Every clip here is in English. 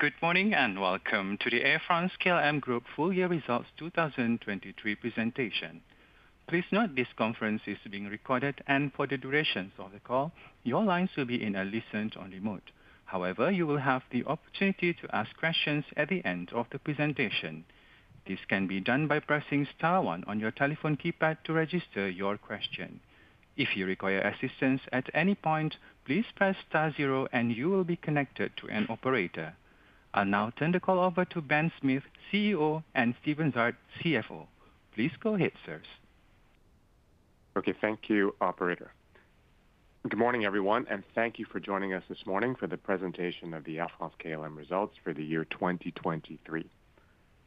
Good morning and welcome to the Air France-KLM Group Full Year Results 2023 presentation. Please note this conference is being recorded, and for the duration of the call, your lines will be in a listen-only mode. However, you will have the opportunity to ask questions at the end of the presentation. This can be done by pressing star 1 on your telephone keypad to register your question. If you require assistance at any point, please press star 0 and you will be connected to an operator. I'll now turn the call over to Ben Smith, CEO, and Steven Zaat, CFO. Please go ahead, sirs. OK, thank you, Operator. Good morning, everyone, and thank you for joining us this morning for the presentation of the Air France-KLM results for the year 2023.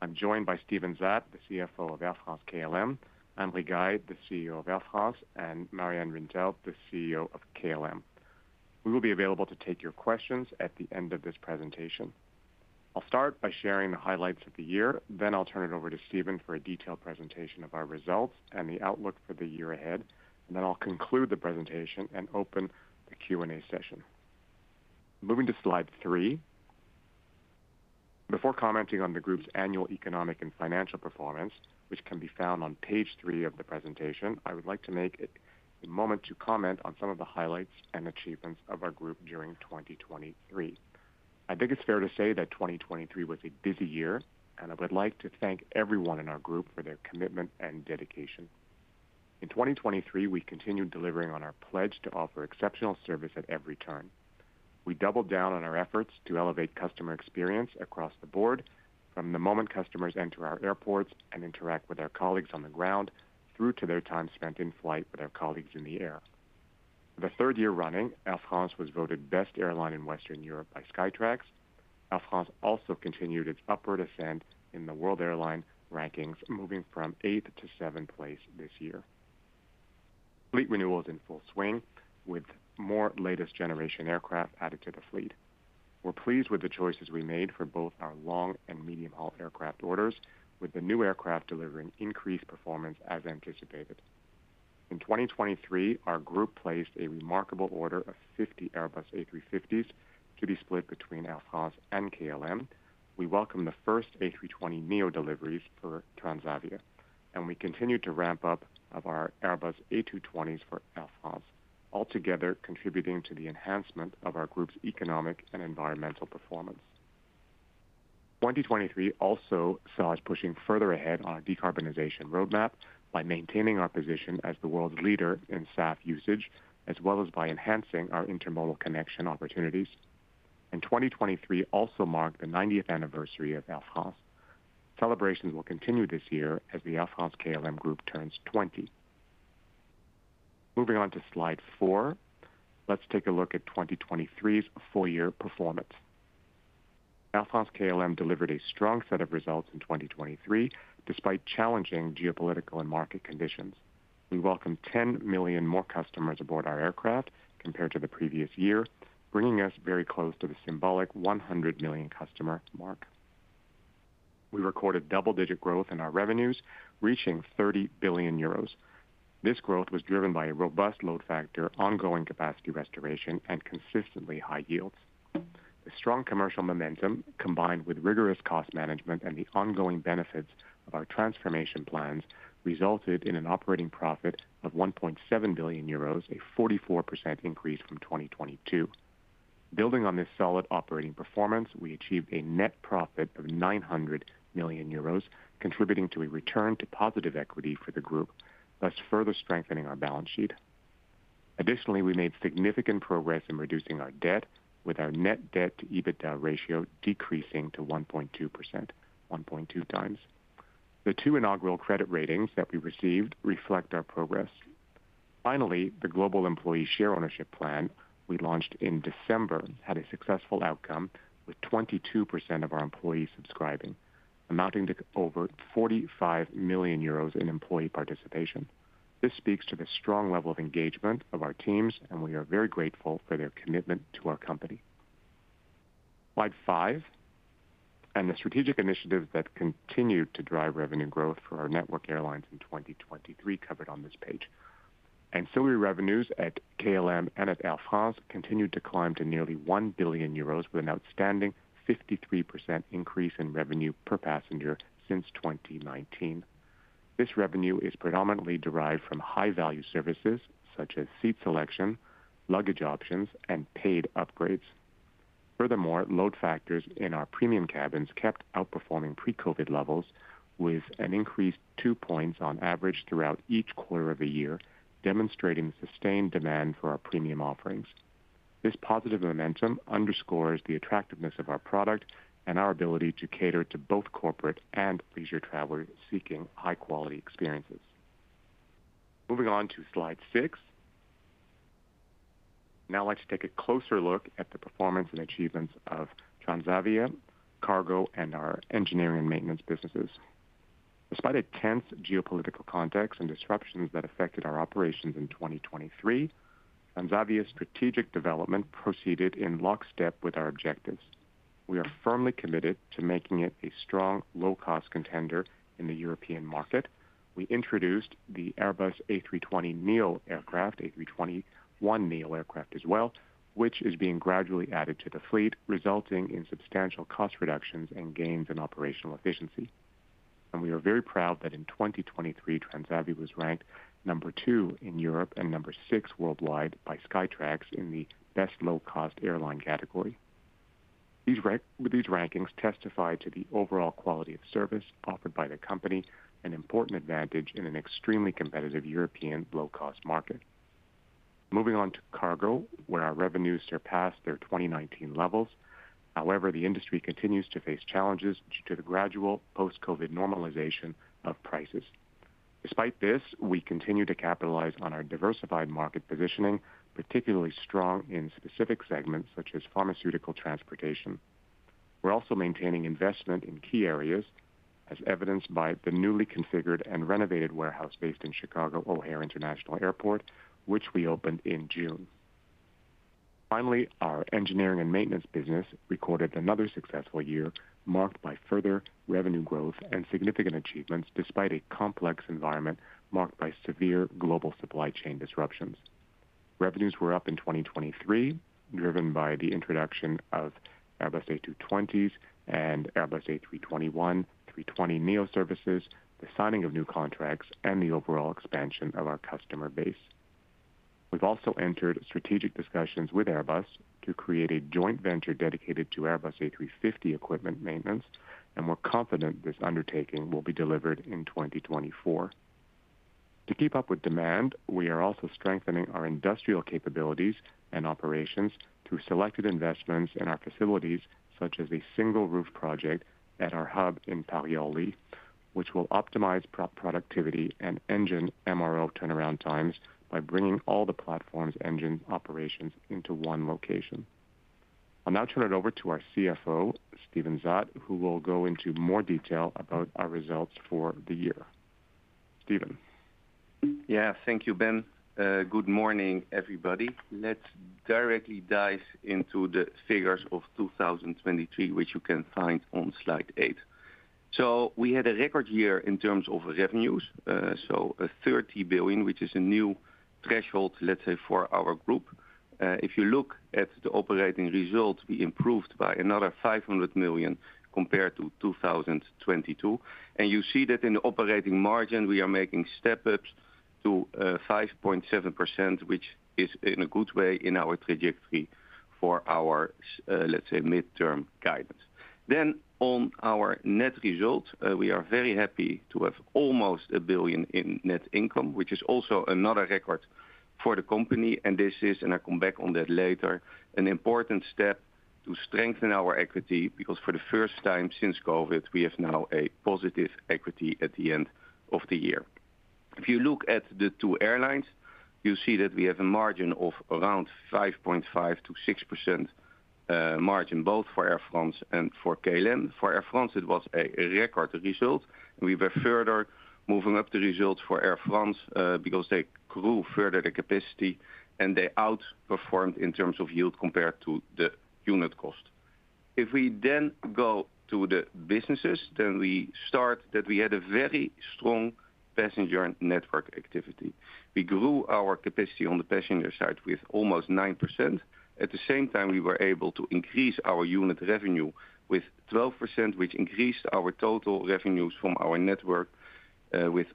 I'm joined by Steven Zaat, the CFO of Air France-KLM; Anne Rigail, the CEO of Air France; and Marjan Rintel, the CEO of KLM. We will be available to take your questions at the end of this presentation. I'll start by sharing the highlights of the year, then I'll turn it over to Steven for a detailed presentation of our results and the outlook for the year ahead, and then I'll conclude the presentation and open the Q&A session. Moving to Slide 3. Before commenting on the group's annual economic and financial performance, which can be found on page three of the presentation, I would like to take a moment to comment on some of the highlights and achievements of our group during 2023. I think it's fair to say that 2023 was a busy year, and I would like to thank everyone in our group for their commitment and dedication. In 2023, we continued delivering on our pledge to offer exceptional service at every turn. We doubled down on our efforts to elevate customer experience across the board, from the moment customers enter our airports and interact with our colleagues on the ground through to their time spent in flight with our colleagues in the air. For the third year running, Air France was voted best airline in Western Europe by Skytrax. Air France also continued its upward ascent in the World Airline rankings, moving from 8th to 7th place this year. Fleet renewal is in full swing, with more latest-generation aircraft added to the fleet. We're pleased with the choices we made for both our long and medium-haul aircraft orders, with the new aircraft delivering increased performance as anticipated. In 2023, our group placed a remarkable order of 50 Airbus A350s to be split between Air France and KLM. We welcomed the first A320neo deliveries for Transavia, and we continued to ramp up our Airbus A220s for Air France, altogether contributing to the enhancement of our group's economic and environmental performance. 2023 also saw us pushing further ahead on our decarbonization roadmap by maintaining our position as the world's leader in SAF usage, as well as by enhancing our intermodal connection opportunities. 2023 also marked the 90th anniversary of Air France. Celebrations will continue this year as the Air France-KLM Group turns 20. Moving on to Slide 4, let's take a look at 2023's full-year performance. Air France-KLM delivered a strong set of results in 2023, despite challenging geopolitical and market conditions. We welcomed 10 million more customers aboard our aircraft compared to the previous year, bringing us very close to the symbolic 100 million customer mark. We recorded double-digit growth in our revenues, reaching 30 billion euros. This growth was driven by a robust load factor, ongoing capacity restoration, and consistently high yields. The strong commercial momentum, combined with rigorous cost management and the ongoing benefits of our transformation plans, resulted in an operating profit of 1.7 billion euros, a 44% increase from 2022. Building on this solid operating performance, we achieved a net profit of 900 million euros, contributing to a return to positive equity for the group, thus further strengthening our balance sheet. Additionally, we made significant progress in reducing our debt, with our net debt-to-EBITDA ratio decreasing to 1.2%, 1.2 times. The two inaugural credit ratings that we received reflect our progress. Finally, the Global Employee Share Ownership Plan we launched in December had a successful outcome, with 22% of our employees subscribing, amounting to over 45 million euros in employee participation. This speaks to the strong level of engagement of our teams, and we are very grateful for their commitment to our company. Slide 5 and the strategic initiatives that continued to drive revenue growth for our network airlines in 2023 covered on this page. Ancillary revenues at KLM and at Air France continued to climb to nearly 1 billion euros, with an outstanding 53% increase in revenue per passenger since 2019. This revenue is predominantly derived from high-value services such as seat selection, luggage options, and paid upgrades. Furthermore, load factors in our premium cabins kept outperforming pre-COVID levels, with an increased 2 points on average throughout each quarter of the year, demonstrating sustained demand for our premium offerings. This positive momentum underscores the attractiveness of our product and our ability to cater to both corporate and leisure travelers seeking high-quality experiences. Moving on to Slide 6. Now I'd like to take a closer look at the performance and achievements of Transavia, cargo, and our engineering and maintenance businesses. Despite a tense geopolitical context and disruptions that affected our operations in 2023, Transavia's strategic development proceeded in lockstep with our objectives. We are firmly committed to making it a strong, low-cost contender in the European market. We introduced the Airbus A320neo aircraft, A320neo aircraft as well, which is being gradually added to the fleet, resulting in substantial cost reductions and gains in operational efficiency. We are very proud that in 2023, Transavia was ranked number two in Europe and number 6 worldwide by Skytrax in the best low-cost airline category. These rankings testify to the overall quality of service offered by the company, an important advantage in an extremely competitive European low-cost market. Moving on to cargo, where our revenues surpassed their 2019 levels. However, the industry continues to face challenges due to the gradual post-COVID normalization of prices. Despite this, we continue to capitalize on our diversified market positioning, particularly strong in specific segments such as pharmaceutical transportation. We're also maintaining investment in key areas, as evidenced by the newly configured and renovated warehouse based in Chicago O'Hare International Airport, which we opened in June. Finally, our engineering and maintenance business recorded another successful year, marked by further revenue growth and significant achievements despite a complex environment marked by severe global supply chain disruptions. Revenues were up in 2023, driven by the introduction of Airbus A220s and Airbus A320neo and A321neo services, the signing of new contracts, and the overall expansion of our customer base. We've also entered strategic discussions with Airbus to create a joint venture dedicated to Airbus A350 equipment maintenance, and we're confident this undertaking will be delivered in 2024. To keep up with demand, we are also strengthening our industrial capabilities and operations through selected investments in our facilities, such as a single roof project at our hub in Paris-Orly, which will optimize productivity and engine MRO turnaround times by bringing all the platform's engine operations into one location. I'll now turn it over to our CFO, Steven Zaat, who will go into more detail about our results for the year. Steven. Yeah, thank you, Ben. Good morning, everybody. Let's directly dive into the figures of 2023, which you can find on Slide 8. So we had a record year in terms of revenues, 30 billion, which is a new threshold, let's say, for our group. If you look at the operating results, we improved by another 500 million compared to 2022. And you see that in the operating margin, we are making step-ups to 5.7%, which is in a good way in our trajectory for our, let's say, mid-term guidance. Then on our net results, we are very happy to have almost 1 billion in net income, which is also another record for the company. This is, and I'll come back on that later, an important step to strengthen our equity, because for the first time since COVID, we have now a positive equity at the end of the year. If you look at the two airlines, you see that we have a margin of around 5.5%-6% margin, both for Air France and for KLM. For Air France, it was a record result. We were further moving up the results for Air France because they grew further the capacity, and they outperformed in terms of yield compared to the unit cost. If we then go to the businesses, then we start that we had a very strong passenger network activity. We grew our capacity on the passenger side with almost 9%. At the same time, we were able to increase our unit revenue with 12%, which increased our total revenues from our network with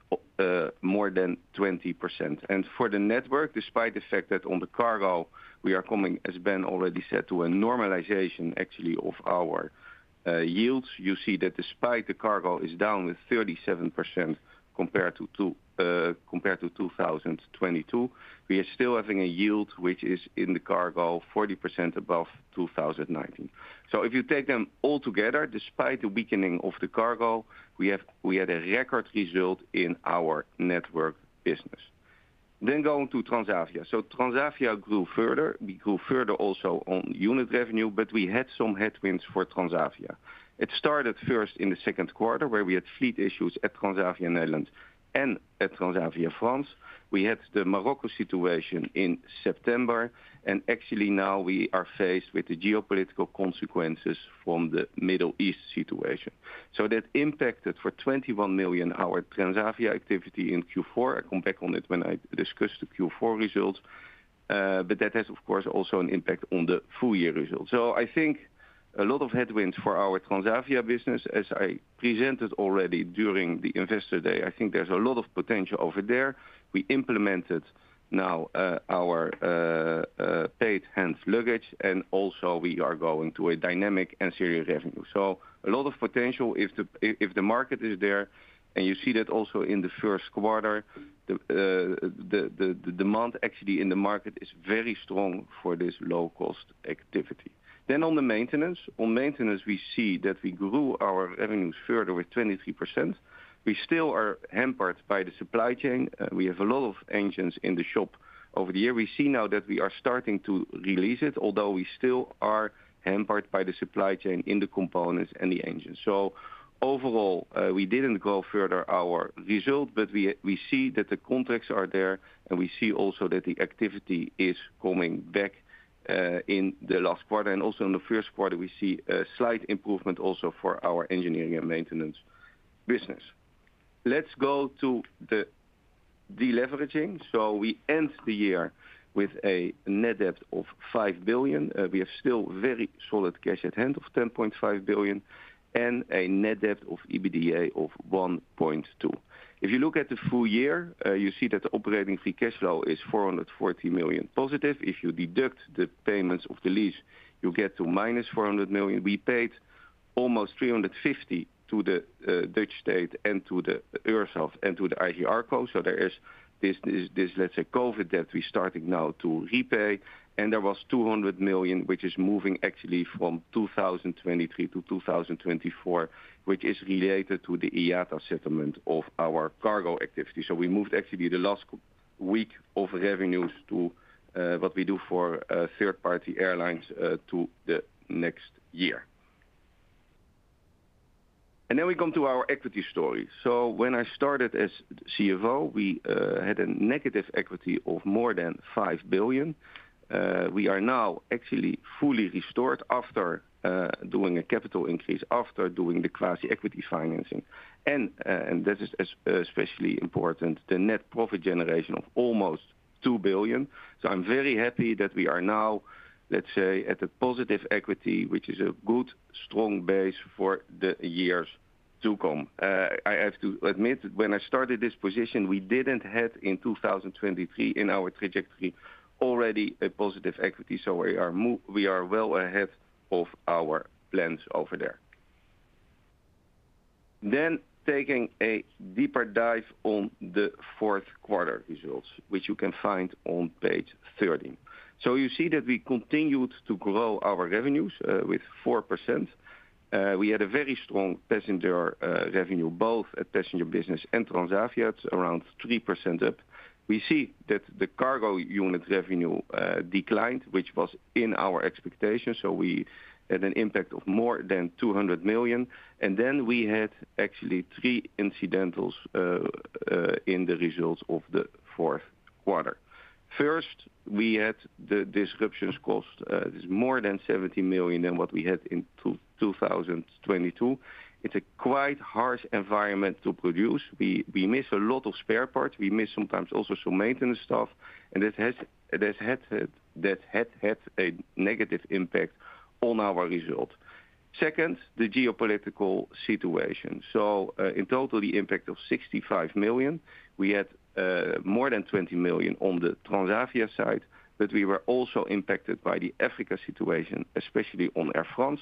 more than 20%. For the network, despite the fact that on the cargo, we are coming, as Ben already said, to a normalization, actually, of our yields, you see that despite the cargo is down with 37% compared to 2022, we are still having a yield which is in the cargo 40% above 2019. So if you take them all together, despite the weakening of the cargo, we had a record result in our network business. Then going to Transavia. Transavia grew further. We grew further also on unit revenue, but we had some headwinds for Transavia. It started first in the second quarter, where we had fleet issues at Transavia Netherlands and at Transavia France. We had the Morocco situation in September, and actually now we are faced with the geopolitical consequences from the Middle East situation. So that impacted for 21 million our Transavia activity in Q4. I'll come back on it when I discuss the Q4 results. But that has, of course, also an impact on the full-year results. So I think a lot of headwinds for our Transavia business, as I presented already during the investor day. I think there's a lot of potential over there. We implemented now our paid hand luggage, and also we are going to a dynamic and serious revenue. So a lot of potential if the market is there, and you see that also in the first quarter, the demand, actually, in the market is very strong for this low-cost activity. Then on the maintenance, on maintenance, we see that we grew our revenues further with 23%. We still are hampered by the supply chain. We have a lot of engines in the shop over the year. We see now that we are starting to release it, although we still are hampered by the supply chain in the components and the engines. So overall, we didn't grow further our result, but we see that the contracts are there, and we see also that the activity is coming back in the last quarter. Also in the first quarter, we see a slight improvement also for our engineering and maintenance business. Let's go to the deleveraging. So we end the year with a net debt of 5 billion. We have still very solid cash at hand of 10.5 billion, and a net debt of EBITDA of 1.2. If you look at the full year, you see that the operating free cash flow is 440 million positive. If you deduct the payments of the lease, you get to minus 400 million. We paid almost 350 million to the Dutch state and to the URSSAF and AGIRC-ARRCO So there is this, let's say, COVID debt we're starting now to repay. And there was 200 million, which is moving, actually, from 2023 to 2024, which is related to the IATA settlement of our cargo activity. So we moved, actually, the last week of revenues to what we do for third-party airlines to the next year. And then we come to our equity story. So when I started as CFO, we had a negative equity of more than 5 billion. We are now actually fully restored after doing a capital increase, after doing the quasi-equity financing. And that is especially important, the net profit generation of almost 2 billion. So I'm very happy that we are now, let's say, at a positive equity, which is a good, strong base for the years to come. I have to admit, when I started this position, we didn't have in 2023 in our trajectory already a positive equity. We are well ahead of our plans over there. Then taking a deeper dive on the fourth quarter results, which you can find on page 13. You see that we continued to grow our revenues with 4%. We had a very strong passenger revenue, both at passenger business and Transavia, around 3% up. We see that the cargo unit revenue declined, which was in our expectations. So we had an impact of more than 200 million. And then we had actually three incidentals in the results of the fourth quarter. First, we had the disruptions cost. It's more than 70 million than what we had in 2022. It's a quite harsh environment to produce. We miss a lot of spare parts. We miss sometimes also some maintenance stuff. And that has had a negative impact on our result. Second, the geopolitical situation. So in total, the impact of 65 million, we had more than 20 million on the Transavia side, but we were also impacted by the Africa situation, especially on Air France,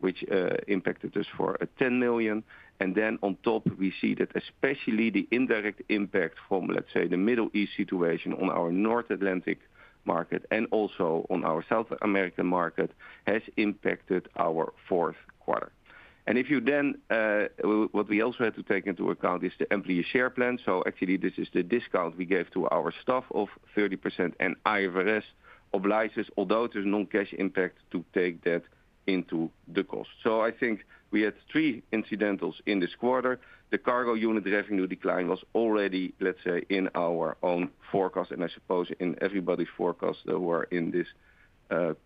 which impacted us for 10 million. And then on top, we see that especially the indirect impact from, let's say, the Middle East situation on our North Atlantic market and also on our South American market has impacted our fourth quarter. And if you then what we also had to take into account is the employee share plan. So actually, this is the discount we gave to our staff of 30%, and IFRS obliges, although there's no cash impact, to take that into the cost. So I think we had three incidentals in this quarter. The cargo unit revenue decline was already, let's say, in our own forecast, and I suppose in everybody's forecast that were in this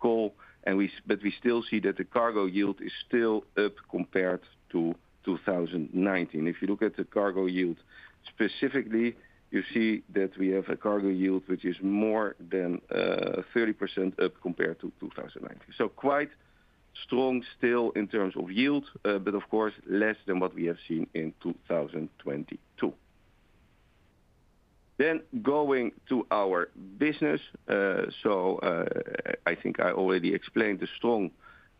call. But we still see that the cargo yield is still up compared to 2019. If you look at the cargo yield specifically, you see that we have a cargo yield which is more than 30% up compared to 2019. So quite strong still in terms of yield, but of course less than what we have seen in 2022. Then going to our business. So I think I already explained the strong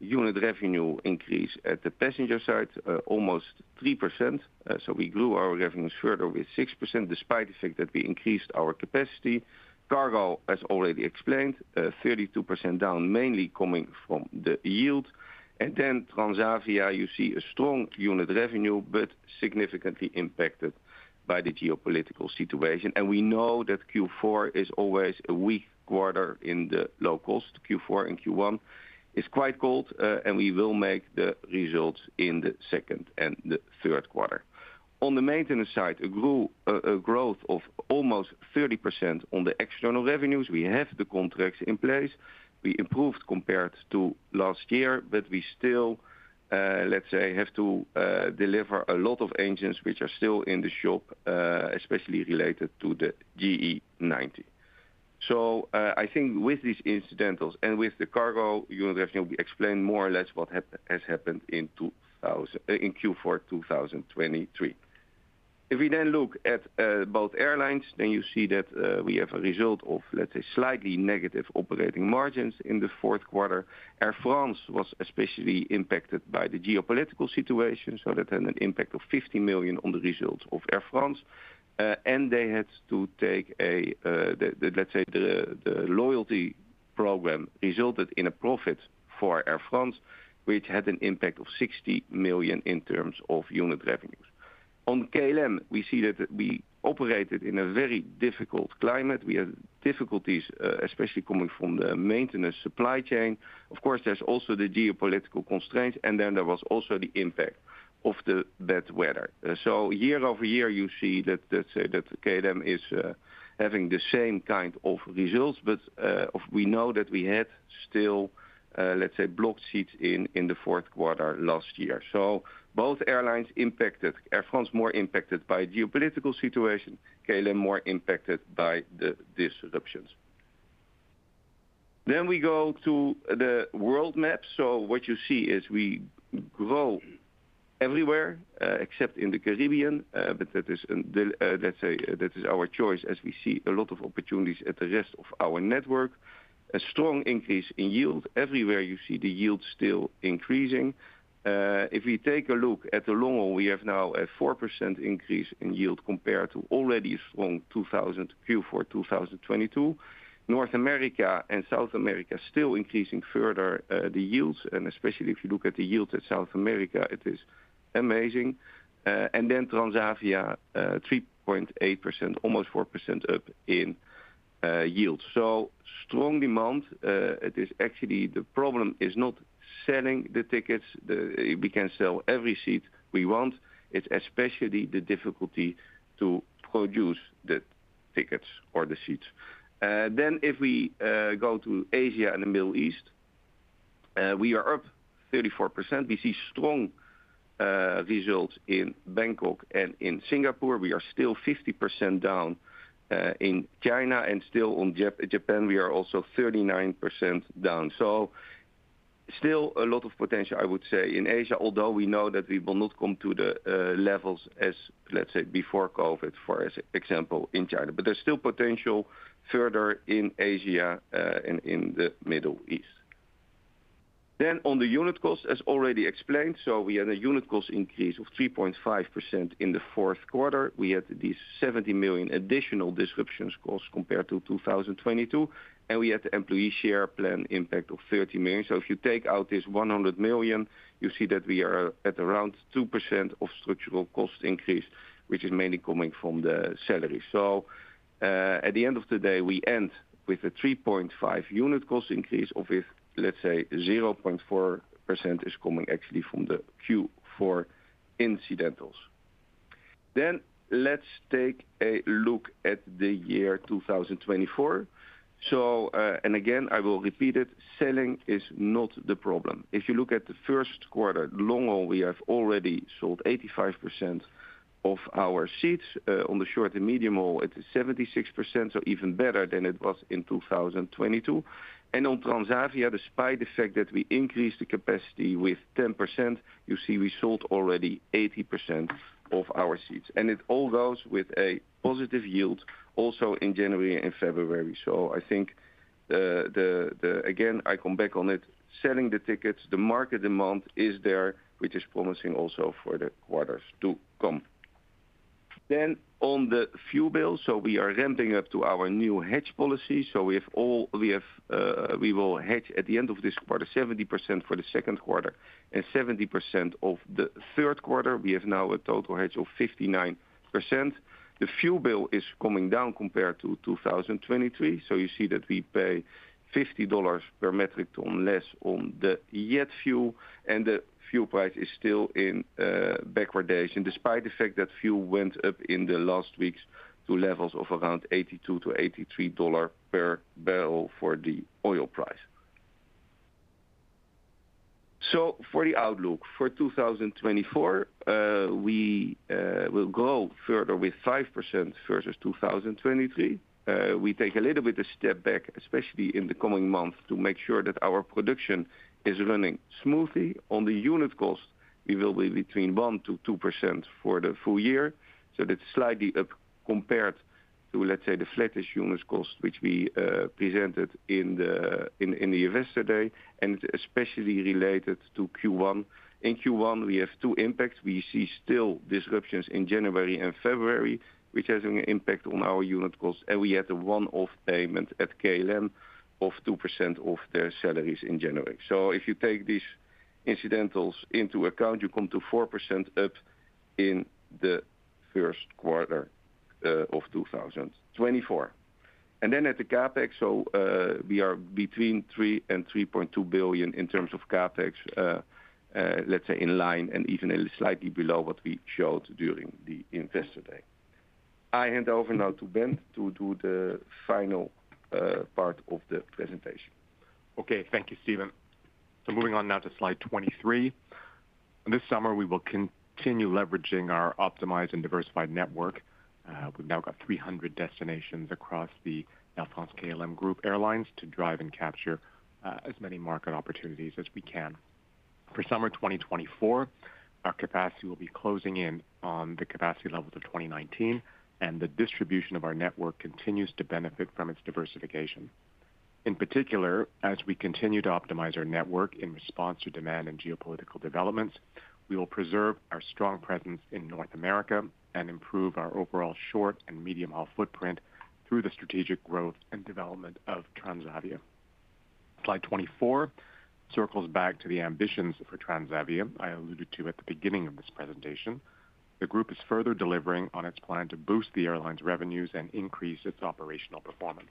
unit revenue increase at the passenger side, almost 3%. So we grew our revenues further with 6% despite the fact that we increased our capacity. Cargo, as already explained, 32% down, mainly coming from the yield. And then Transavia, you see a strong unit revenue, but significantly impacted by the geopolitical situation. And we know that Q4 is always a weak quarter in the low cost. Q4 and Q1 is quite cold, and we will make the results in the second and the third quarter. On the maintenance side, a growth of almost 30% on the external revenues. We have the contracts in place. We improved compared to last year, but we still, let's say, have to deliver a lot of engines which are still in the shop, especially related to the GE90. So I think with these incidentals and with the cargo unit revenue, we explain more or less what has happened in Q4 2023. If we then look at both airlines, then you see that we have a result of, let's say, slightly negative operating margins in the fourth quarter. Air France was especially impacted by the geopolitical situation. So that had an impact of 50 million on the results of Air France. And they had to take a, let's say, the loyalty program resulted in a profit for Air France, which had an impact of 60 million in terms of unit revenues. On KLM, we see that we operated in a very difficult climate. We had difficulties, especially coming from the maintenance supply chain. Of course, there's also the geopolitical constraints, and then there was also the impact of the bad weather. So year-over-year, you see that, let's say, that KLM is having the same kind of results, but we know that we had still, let's say, blocked seats in the fourth quarter last year. So both airlines impacted. Air France more impacted by geopolitical situation. KLM more impacted by the disruptions. Then we go to the world map. So what you see is we grow everywhere except in the Caribbean, but that is, let's say, that is our choice as we see a lot of opportunities at the rest of our network. A strong increase in yield. Everywhere you see the yield still increasing. If we take a look at the long haul, we have now a 4% increase in yield compared to already a strong Q4 2022. North America and South America still increasing further the yields. Especially if you look at the yields at South America, it is amazing. Then Transavia, 3.8%, almost 4% up in yield. Strong demand. It is actually the problem is not selling the tickets. We can sell every seat we want. It's especially the difficulty to produce the tickets or the seats. Then if we go to Asia and the Middle East, we are up 34%. We see strong results in Bangkok and in Singapore. We are still 50% down in China. Still on Japan, we are also 39% down. Still a lot of potential, I would say, in Asia, although we know that we will not come to the levels as, let's say, before COVID, for example, in China. But there's still potential further in Asia and in the Middle East. Then on the unit cost, as already explained, so we had a unit cost increase of 3.5% in the fourth quarter. We had these 70 million additional disruptions costs compared to 2022. And we had the employee share plan impact of 30 million. So if you take out this 100 million, you see that we are at around 2% of structural cost increase, which is mainly coming from the salaries. So at the end of the day, we end with a 3.5 unit cost increase of, let's say, 0.4% is coming actually from the Q4 incidentals. Then let's take a look at the year 2024. And again, I will repeat it, selling is not the problem. If you look at the first quarter, long haul, we have already sold 85% of our seats. On the short and medium haul, it is 76%, so even better than it was in 2022. On Transavia, despite the fact that we increased the capacity with 10%, you see we sold already 80% of our seats. It all goes with a positive yield also in January and February. I think, again, I come back on it, selling the tickets, the market demand is there, which is promising also for the quarters to come. On the fuel bill, we are ramping up to our new hedge policy. We have all we will hedge at the end of this quarter, 70% for the second quarter and 70% of the third quarter. We have now a total hedge of 59%. The fuel bill is coming down compared to 2023. So you see that we pay $50 per metric ton less on the jet fuel, and the fuel price is still in backwardation despite the fact that fuel went up in the last weeks to levels of around $82-$83 per barrel for the oil price. So for the outlook for 2024, we will grow further with 5% versus 2023. We take a little bit of a step back, especially in the coming months, to make sure that our production is running smoothly. On the unit cost, we will be between 1%-2% for the full year. So that's slightly up compared to, let's say, the flattish unit cost, which we presented in the investor day. And it's especially related to Q1. In Q1, we have two impacts. We see still disruptions in January and February, which has an impact on our unit cost. We had a one-off payment at KLM of 2% of their salaries in January. So if you take these incidentals into account, you come to 4% up in the first quarter of 2024. Then at the CapEx, so we are between 3 billion-3.2 billion in terms of CapEx, let's say, in line and even slightly below what we showed during the investor day. I hand over now to Ben to do the final part of the presentation. Okay. Thank you, Steven. Moving on now to Slide 23. This summer, we will continue leveraging our optimized and diversified network. We've now got 300 destinations across the Air France-KLM Group Airlines to drive and capture as many market opportunities as we can. For summer 2024, our capacity will be closing in on the capacity levels of 2019, and the distribution of our network continues to benefit from its diversification. In particular, as we continue to optimize our network in response to demand and geopolitical developments, we will preserve our strong presence in North America and improve our overall short and medium haul footprint through the strategic growth and development of Transavia. Slide 24 circles back to the ambitions for Transavia I alluded to at the beginning of this presentation. The group is further delivering on its plan to boost the airline's revenues and increase its operational performance.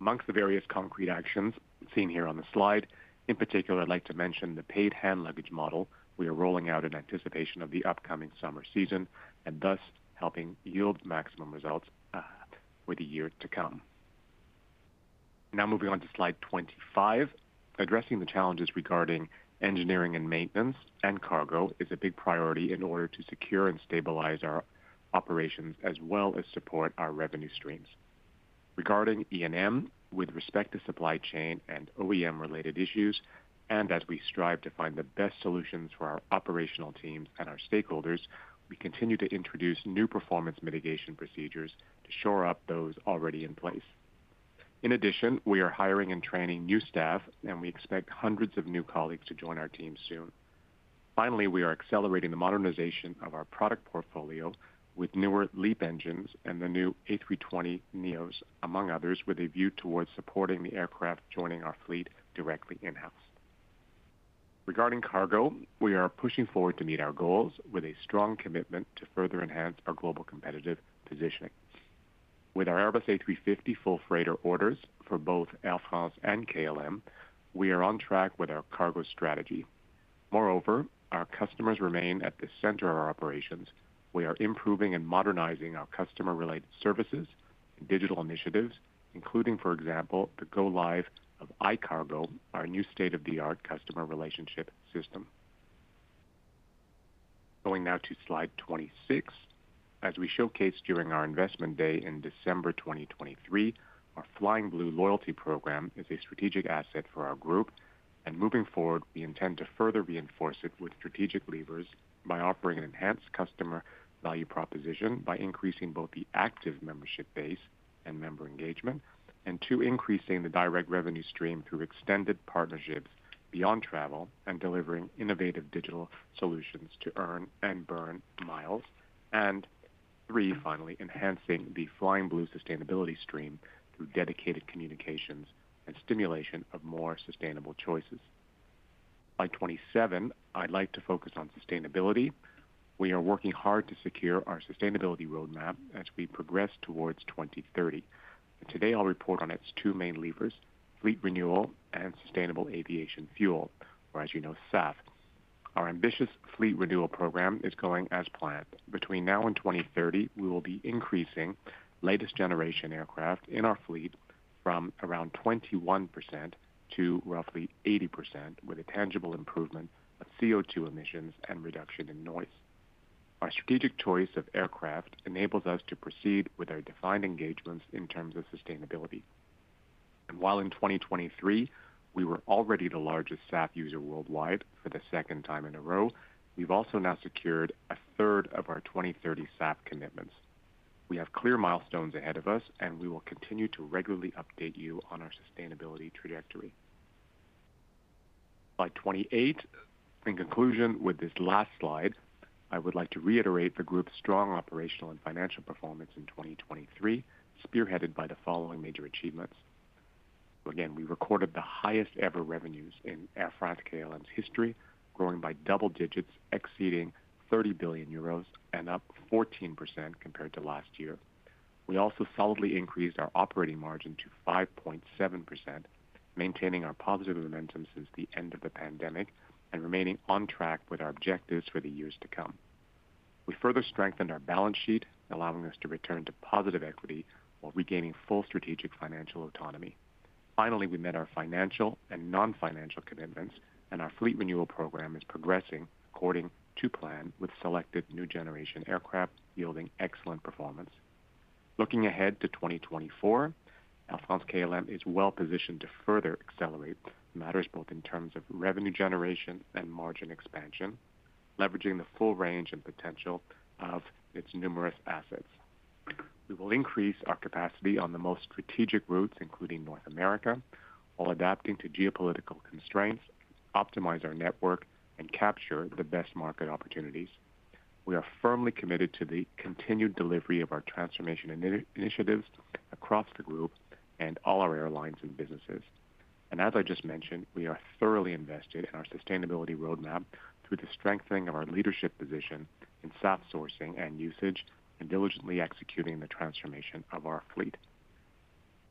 Among the various concrete actions seen here on the slide, in particular, I'd like to mention the paid hand luggage model we are rolling out in anticipation of the upcoming summer season and thus helping yield maximum results for the year to come. Now moving on to Slide 25. Addressing the challenges regarding engineering and maintenance and cargo is a big priority in order to secure and stabilize our operations as well as support our revenue streams. Regarding E&M, with respect to supply chain and OEM-related issues, and as we strive to find the best solutions for our operational teams and our stakeholders, we continue to introduce new performance mitigation procedures to shore up those already in place. In addition, we are hiring and training new staff, and we expect hundreds of new colleagues to join our team soon. Finally, we are accelerating the modernization of our product portfolio with newer LEAP engines and the new A320neos, among others, with a view towards supporting the aircraft joining our fleet directly in-house. Regarding cargo, we are pushing forward to meet our goals with a strong commitment to further enhance our global competitive positioning. With our Airbus A350 Full Freighter orders for both Air France and KLM, we are on track with our cargo strategy. Moreover, our customers remain at the center of our operations. We are improving and modernizing our customer-related services and digital initiatives, including, for example, the go-live of iCargo, our new state-of-the-art customer relationship system. Going now to Slide 26. As we showcased during our investment day in December 2023, our Flying Blue loyalty program is a strategic asset for our group. Moving forward, we intend to further reinforce it with strategic levers by offering an enhanced customer value proposition by increasing both the active membership base and member engagement, and two, increasing the direct revenue stream through extended partnerships beyond travel and delivering innovative digital solutions to earn and burn miles, and 3, finally, enhancing the Flying Blue sustainability stream through dedicated communications and stimulation of more sustainable choices. Slide 27. I'd like to focus on sustainability. We are working hard to secure our sustainability roadmap as we progress towards 2030. Today, I'll report on its two main levers, fleet renewal and sustainable aviation fuel, or as you know, SAF. Our ambitious fleet renewal program is going as planned. Between now and 2030, we will be increasing latest generation aircraft in our fleet from around 21% to roughly 80% with a tangible improvement of CO2 emissions and reduction in noise. Our strategic choice of aircraft enables us to proceed with our defined engagements in terms of sustainability. While in 2023, we were already the largest SAF user worldwide for the second time in a row, we've also now secured a third of our 2030 SAF commitments. We have clear milestones ahead of us, and we will continue to regularly update you on our sustainability trajectory. Slide 28. In conclusion, with this last slide, I would like to reiterate the group's strong operational and financial performance in 2023, spearheaded by the following major achievements. Again, we recorded the highest-ever revenues in Air France-KLM's history, growing by double digits, exceeding 30 billion euros and up 14% compared to last year. We also solidly increased our operating margin to 5.7%, maintaining our positive momentum since the end of the pandemic and remaining on track with our objectives for the years to come. We further strengthened our balance sheet, allowing us to return to positive equity while regaining full strategic financial autonomy. Finally, we met our financial and non-financial commitments, and our fleet renewal program is progressing according to plan with selected new generation aircraft yielding excellent performance. Looking ahead to 2024, Air France-KLM is well positioned to further accelerate matters both in terms of revenue generation and margin expansion, leveraging the full range and potential of its numerous assets. We will increase our capacity on the most strategic routes, including North America, while adapting to geopolitical constraints, optimize our network, and capture the best market opportunities. We are firmly committed to the continued delivery of our transformation initiatives across the group and all our airlines and businesses. And as I just mentioned, we are thoroughly invested in our sustainability roadmap through the strengthening of our leadership position in SAF sourcing and usage and diligently executing the transformation of our fleet.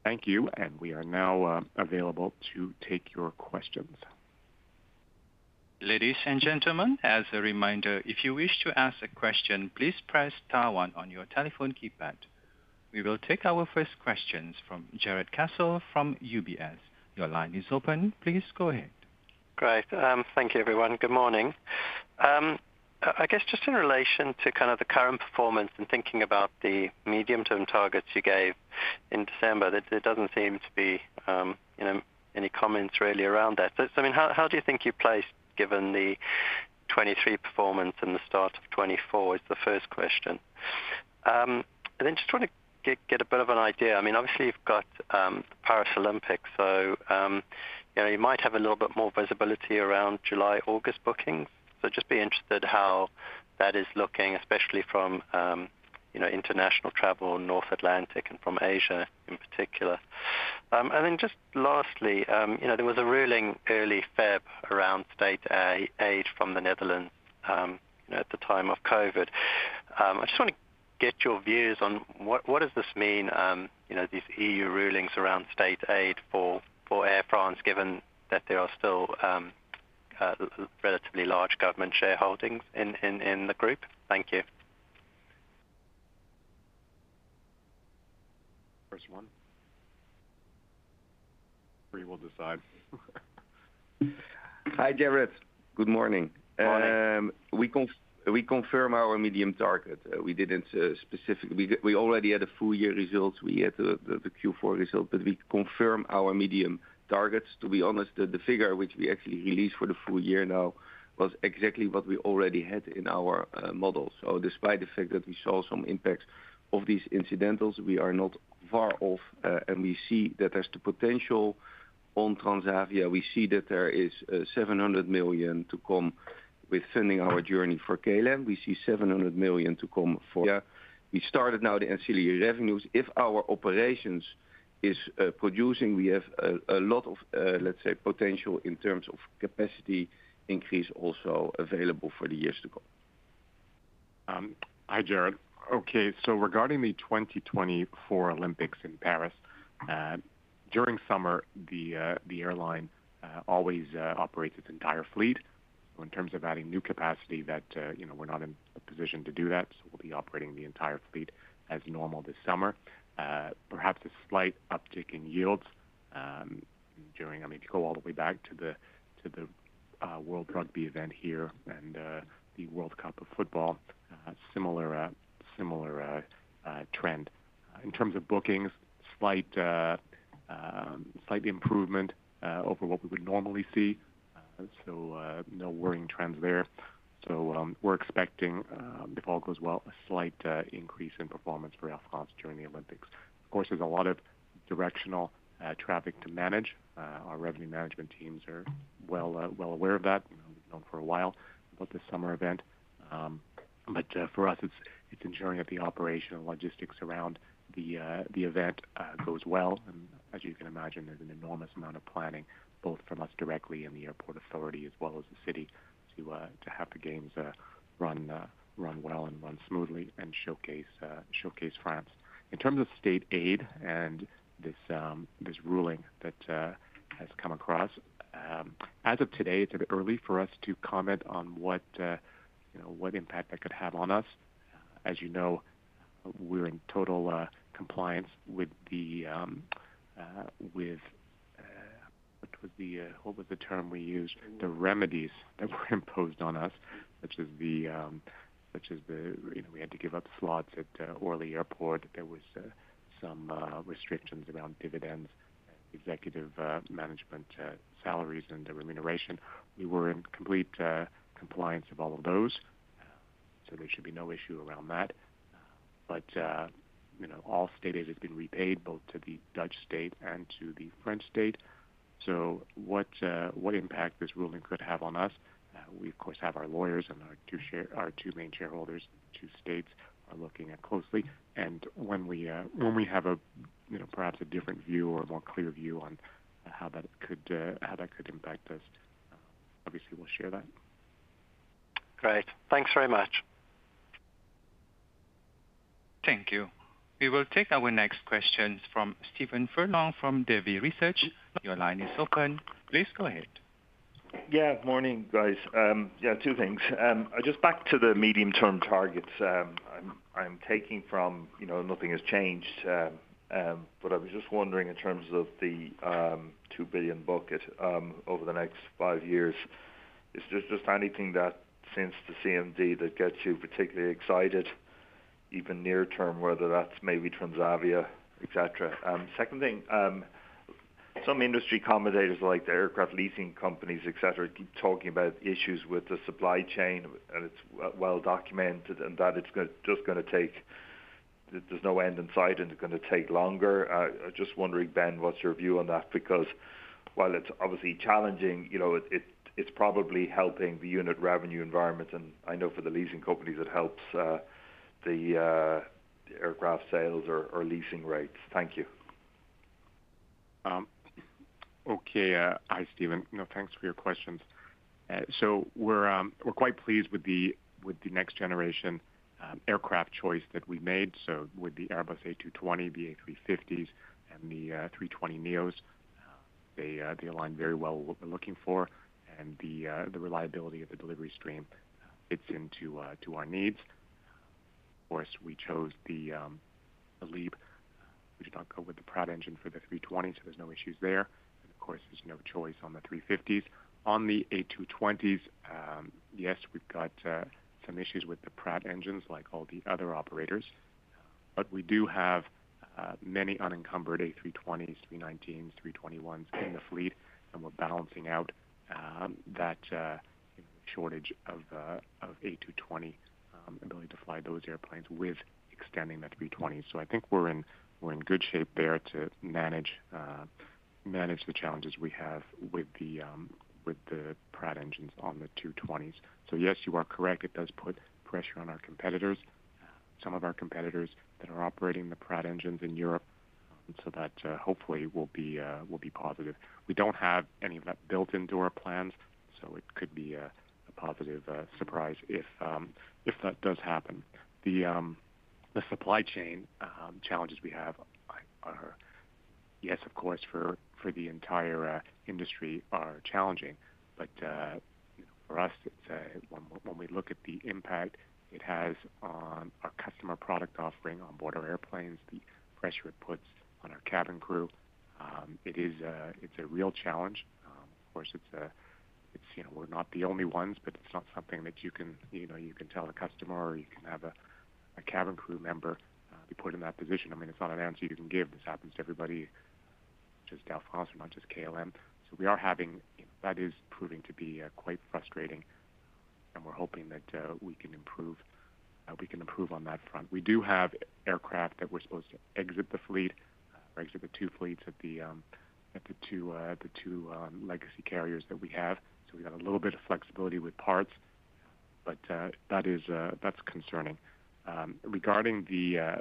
Thank you, and we are now available to take your questions. Ladies and gentlemen, as a reminder, if you wish to ask a question, please press star one on your telephone keypad. We will take our first questions from Jarrod Castle from UBS. Your line is open. Please go ahead. Great. Thank you, everyone. Good morning. I guess just in relation to kind of the current performance and thinking about the medium-term targets you gave in December, there doesn't seem to be any comments really around that. So I mean, how do you think you place given the 2023 performance and the start of 2024 is the first question. And then just want to get a bit of an idea. I mean, obviously, you've got Paris Olympics, so you might have a little bit more visibility around July-August bookings. So just be interested how that is looking, especially from international travel North Atlantic and from Asia in particular. And then just lastly, there was a ruling early Feb around state aid from the Netherlands at the time of COVID. I just want to get your views on what does this mean, these EU rulings around state aid for Air France, given that there are still relatively large government shareholdings in the group. Thank you. First one. We will decide. Hi, Jarrod. Good morning. Morning. We confirm our medium target. We didn't specifically we already had a full year results. We had the Q4 result, but we confirm our medium targets. To be honest, the figure which we actually released for the full year now was exactly what we already had in our model. So despite the fact that we saw some impacts of these incidentals, we are not far off. And we see that there's the potential on Transavia. We see that there is 700 million to come with funding our journey for KLM. We see 700 million to come for year. We started now the ancillary revenues. If our operations is producing, we have a lot of, let's say, potential in terms of capacity increase also available for the years to come. Hi, Jared. Okay. So regarding the 2024 Olympics in Paris, during summer, the airline always operates its entire fleet. So in terms of adding new capacity, we're not in a position to do that. So we'll be operating the entire fleet as normal this summer. Perhaps a slight uptick in yields during, I mean, if you go all the way back to the World Rugby event here and the World Cup of Football, similar trend. In terms of bookings, slight improvement over what we would normally see. So no worrying trends there. So we're expecting, if all goes well, a slight increase in performance for Air France during the Olympics. Of course, there's a lot of directional traffic to manage. Our revenue management teams are well aware of that. We've known for a while about this summer event. But for us, it's ensuring that the operation and logistics around the event goes well. And as you can imagine, there's an enormous amount of planning both from us directly and the airport authority as well as the city to have the games run well and run smoothly and showcase France. In terms of state aid and this ruling that has come across, as of today, it's a bit early for us to comment on what impact that could have on us. As you know, we're in total compliance with the what was the term we used? The remedies that were imposed on us, such as the we had to give up slots at Orly Airport. There was some restrictions around dividends and executive management salaries and the remuneration. We were in complete compliance of all of those. So there should be no issue around that. But all state aid has been repaid both to the Dutch state and to the French state. So what impact this ruling could have on us, we, of course, have our lawyers and our two main shareholders, two states, are looking at closely. When we have perhaps a different view or a more clear view on how that could impact us, obviously, we'll share that. Great. Thanks very much. Thank you. We will take our next questions from Stephen Furlong from Davy Research. Your line is open. Please go ahead. Yeah. Good morning, guys. Yeah, two things. Just back to the medium-term targets I'm taking from nothing has changed. I was just wondering in terms of the $2 billion bucket over the next five years, is there just anything that seems to CMD that gets you particularly excited, even near-term, whether that's maybe Transavia, etc.? Second thing, some industry accommodators like the aircraft leasing companies, etc., keep talking about issues with the supply chain, and it's well documented, and that it's just going to take there's no end in sight, and it's going to take longer. I'm just wondering, Ben, what's your view on that? Because while it's obviously challenging, it's probably helping the unit revenue environment. And I know for the leasing companies, it helps the aircraft sales or leasing rates. Thank you. Okay. Hi, Stephen. No, thanks for your questions. So we're quite pleased with the next generation aircraft choice that we made. So with the Airbus A220, the A350s, and the A320neos, they align very well with what we're looking for. And the reliability of the delivery stream fits into our needs. Of course, we chose the LEAP. We did not go with the Pratt engine for the 320, so there's no issues there. And of course, there's no choice on the 350s. On the A220s, yes, we've got some issues with the Pratt engines like all the other operators. But we do have many unencumbered A320s, 319s, 321s in the fleet, and we're balancing out that shortage of A220 ability to fly those airplanes with extending the 320s. So I think we're in good shape there to manage the challenges we have with the Pratt engines on the 220s. So yes, you are correct. It does put pressure on our competitors, some of our competitors that are operating the Pratt engines in Europe. So that hopefully will be positive. We don't have any of that built-in to our plans, so it could be a positive surprise if that does happen. The supply chain challenges we have are, yes, of course, for the entire industry are challenging. But for us, when we look at the impact it has on our customer product offering on board our airplanes, the pressure it puts on our cabin crew, it's a real challenge. Of course, we're not the only ones, but it's not something that you can tell the customer or you can have a cabin crew member be put in that position. I mean, it's not an answer you can give. This happens to everybody, just Air France and not just KLM. So we are having that is proving to be quite frustrating. And we're hoping that we can improve on that front. We do have aircraft that we're supposed to exit the fleet or exit the two fleets at the two legacy carriers that we have. So we've got a little bit of flexibility with parts. But that's concerning. Regarding the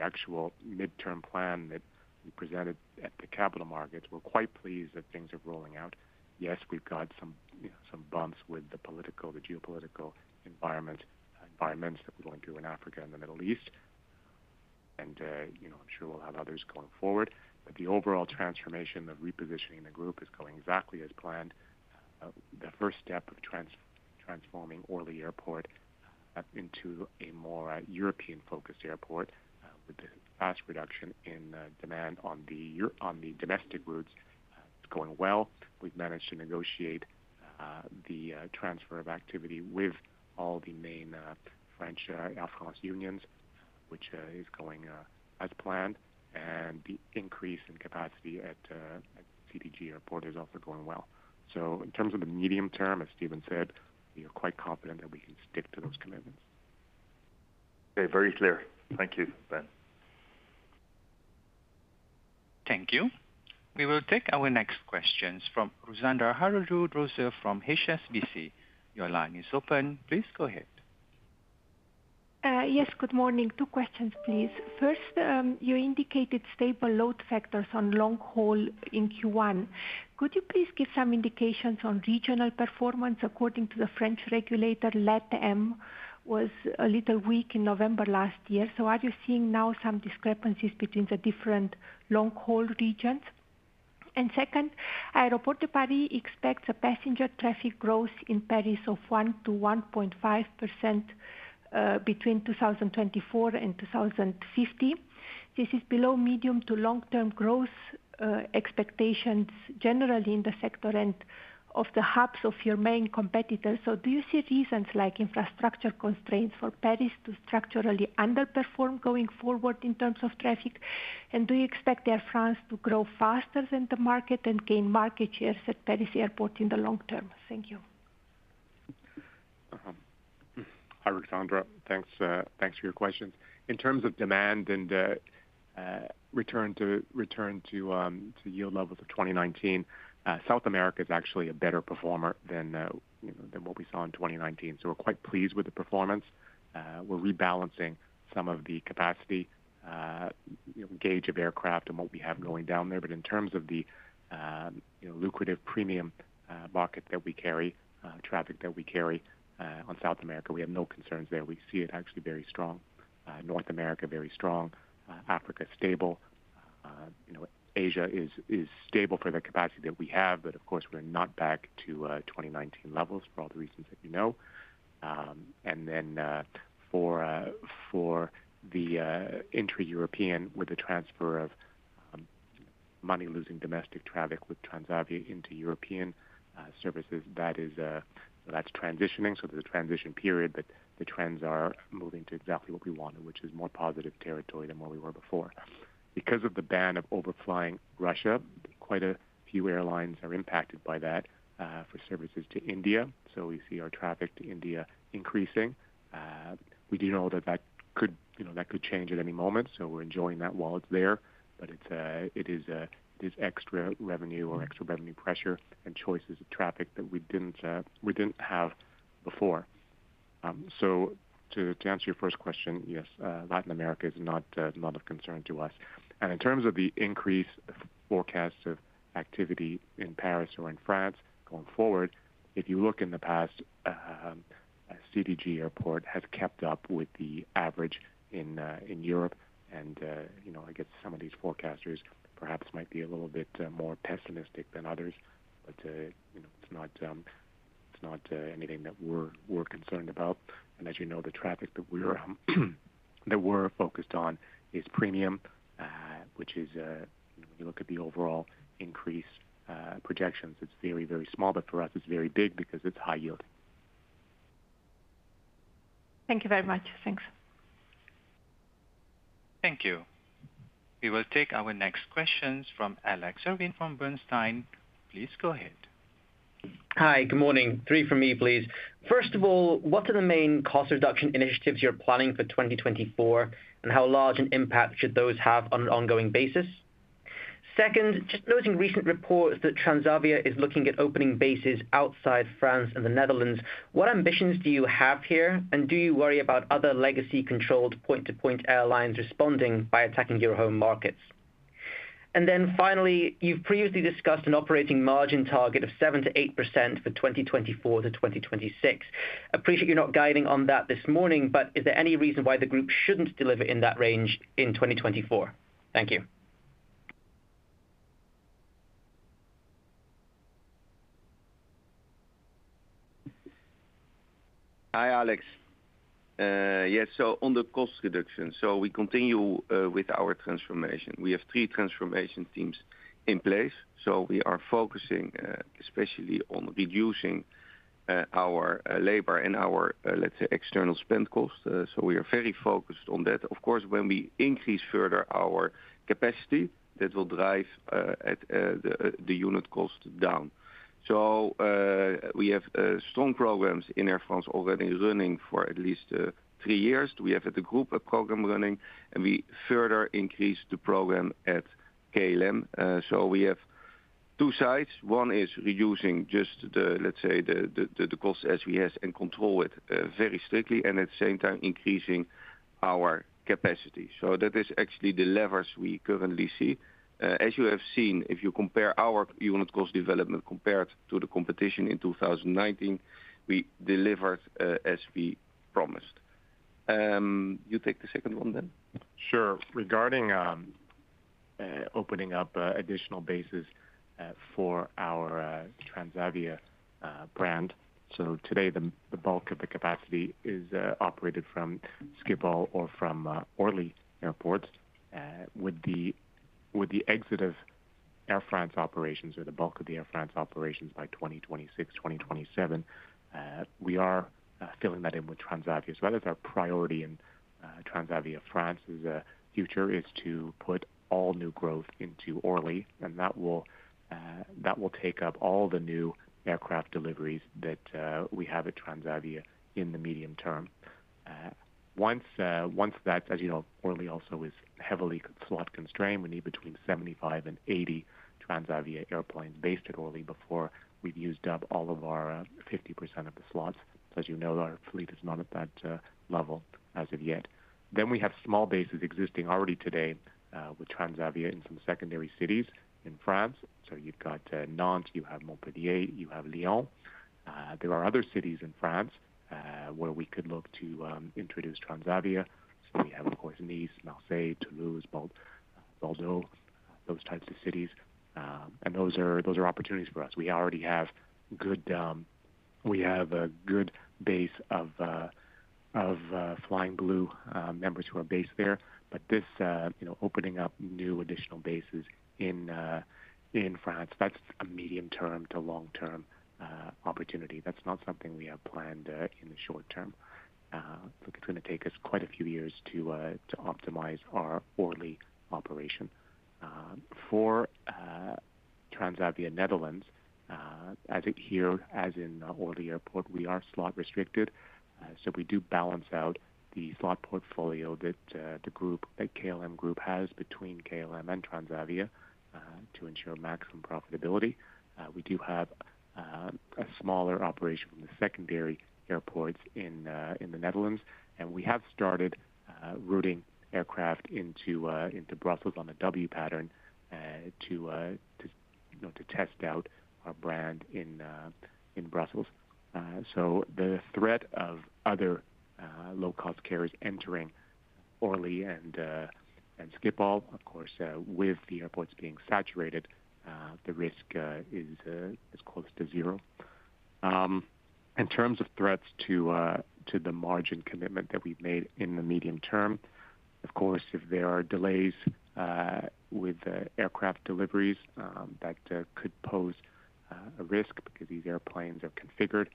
actual midterm plan that we presented at the capital markets, we're quite pleased that things are rolling out. Yes, we've got some bumps with the geopolitical environments that we're going through in Africa and the Middle East. And I'm sure we'll have others going forward. But the overall transformation of repositioning the group is going exactly as planned. The first step of transforming Orly Airport into a more European-focused airport with the fast reduction in demand on the domestic routes is going well. We've managed to negotiate the transfer of activity with all the main French Air France unions, which is going as planned. And the increase in capacity at CDG Airport is also going well. So in terms of the medium term, as Stephen said, we are quite confident that we can stick to those commitments. Okay. Very clear. Thank you, Ben. Thank you. We will take our next questions from Ruxandra Haradau-Doser from HSBC. Your line is open. Please go ahead. Yes. Good morning. Two questions, please. First, you indicated stable load factors on long haul in Q1. Could you please give some indications on regional performance according to the French regulator? LatAM was a little weak in November last year. So are you seeing now some discrepancies between the different long haul regions? And second, Aéroport de Paris expects a passenger traffic growth in Paris of 1%-1.5% between 2024 and 2050. This is below medium to long-term growth expectations generally in the sector and of the hubs of your main competitors. So do you see reasons like infrastructure constraints for Paris to structurally underperform going forward in terms of traffic? And do you expect Air France to grow faster than the market and gain market shares at Paris Airport in the long term? Thank you. Hi, Ruxandra. Thanks for your questions. In terms of demand and return to yield levels of 2019, South America is actually a better performer than what we saw in 2019. So we're quite pleased with the performance. We're rebalancing some of the capacity gauge of aircraft and what we have going down there. But in terms of the lucrative premium market that we carry, traffic that we carry on South America, we have no concerns there. We see it actually very strong. North America, very strong. Africa, stable. Asia is stable for the capacity that we have. But of course, we're not back to 2019 levels for all the reasons that you know. And then for the intra-European with the transfer of money-losing domestic traffic with Transavia into European services, that is transitioning. So there's a transition period, but the trends are moving to exactly what we wanted, which is more positive territory than where we were before. Because of the ban of overflying Russia, quite a few airlines are impacted by that for services to India. So we see our traffic to India increasing. We do know that that could change at any moment. So we're enjoying that while it's there. But it is extra revenue or extra revenue pressure and choices of traffic that we didn't have before. So to answer your first question, yes, Latin America is not a lot of concern to us. And in terms of the increase forecast of activity in Paris or in France going forward, if you look in the past, CDG Airport has kept up with the average in Europe. And I guess some of these forecasters perhaps might be a little bit more pessimistic than others. But it's not anything that we're concerned about. And as you know, the traffic that we're focused on is premium, which is when you look at the overall increase projections, it's very, very small. But for us, it's very big because it's high yield. Thank you very much. Thanks. Thank you. We will take our next questions from Alex Irving from Bernstein. Please go ahead. Hi. Good morning. Three from me, please. First of all, what are the main cost reduction initiatives you're planning for 2024, and how large an impact should those have on an ongoing basis? Second, just noting recent reports that Transavia is looking at opening bases outside France and the Netherlands, what ambitions do you have here? Do you worry about other legacy-controlled point-to-point airlines responding by attacking your home markets? Then finally, you've previously discussed an operating margin target of 7%-8% for 2024-2026. Appreciate you're not guiding on that this morning. But is there any reason why the group shouldn't deliver in that range in 2024? Thank you. Hi, Alex. Yes. On the cost reduction, we continue with our transformation. We have three transformation teams in place. We are focusing especially on reducing our labor and our, let's say, external spend cost. We are very focused on that. Of course, when we increase further our capacity, that will drive the unit cost down. We have strong programs in Air France already running for at least three years. We have at the group a program running, and we further increase the program at KLM. So we have two sides. One is reducing just the, let's say, the costs as we have and control it very strictly, and at the same time increasing our capacity. So that is actually the levers we currently see. As you have seen, if you compare our unit cost development compared to the competition in 2019, we delivered as we promised. You take the second one, then? Sure. Regarding opening up additional bases for our Transavia brand, so today, the bulk of the capacity is operated from Schiphol or from Orly Airports. With the exit of Air France operations or the bulk of the Air France operations by 2026, 2027, we are filling that in with Transavia. So that is our priority in Transavia France's future, is to put all new growth into Orly. That will take up all the new aircraft deliveries that we have at Transavia in the medium term. Once that's, as you know, Orly also is heavily slot-constrained. We need between 75 and 80 Transavia airplanes based at Orly before we've used up all of our 50% of the slots. So as you know, our fleet is not at that level as of yet. Then we have small bases existing already today with Transavia in some secondary cities in France. So you've got Nantes, you have Montpellier, you have Lyon. There are other cities in France where we could look to introduce Transavia. So we have, of course, Nice, Marseille, Toulouse, Bordeaux, those types of cities. And those are opportunities for us. We already have a good base of Flying Blue members who are based there. But this opening up new additional bases in France, that's a medium-term to long-term opportunity. That's not something we have planned in the short term. It's going to take us quite a few years to optimize our Orly operation. For Transavia Netherlands, as in Orly Airport, we are slot-restricted. So we do balance out the slot portfolio that the KLM group has between KLM and Transavia to ensure maximum profitability. We do have a smaller operation from the secondary airports in the Netherlands. And we have started routing aircraft into Brussels on a W pattern to test out our brand in Brussels. So the threat of other low-cost carriers entering Orly and Schiphol, of course, with the airports being saturated, the risk is close to zero. In terms of threats to the margin commitment that we've made in the medium term, of course, if there are delays with aircraft deliveries, that could pose a risk because these airplanes are configured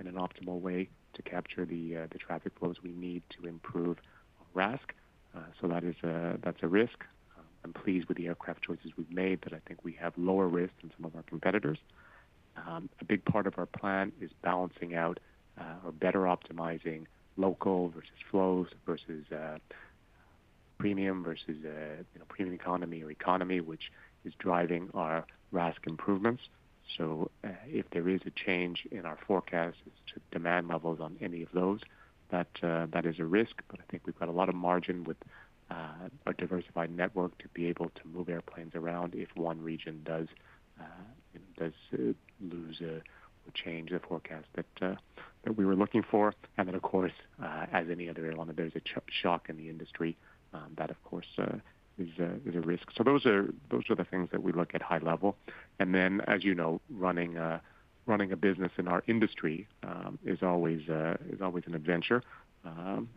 in an optimal way to capture the traffic flows we need to improve RASC. So that's a risk. I'm pleased with the aircraft choices we've made that I think we have lower risk than some of our competitors. A big part of our plan is balancing out or better optimizing local versus flows versus premium versus premium economy or economy, which is driving our RASC improvements. So if there is a change in our forecast to demand levels on any of those, that is a risk. I think we've got a lot of margin with our diversified network to be able to move airplanes around if one region does lose or change the forecast that we were looking for. And then, of course, as any other airline, there's a shock in the industry that, of course, is a risk. So those are the things that we look at high level. And then, as you know, running a business in our industry is always an adventure. And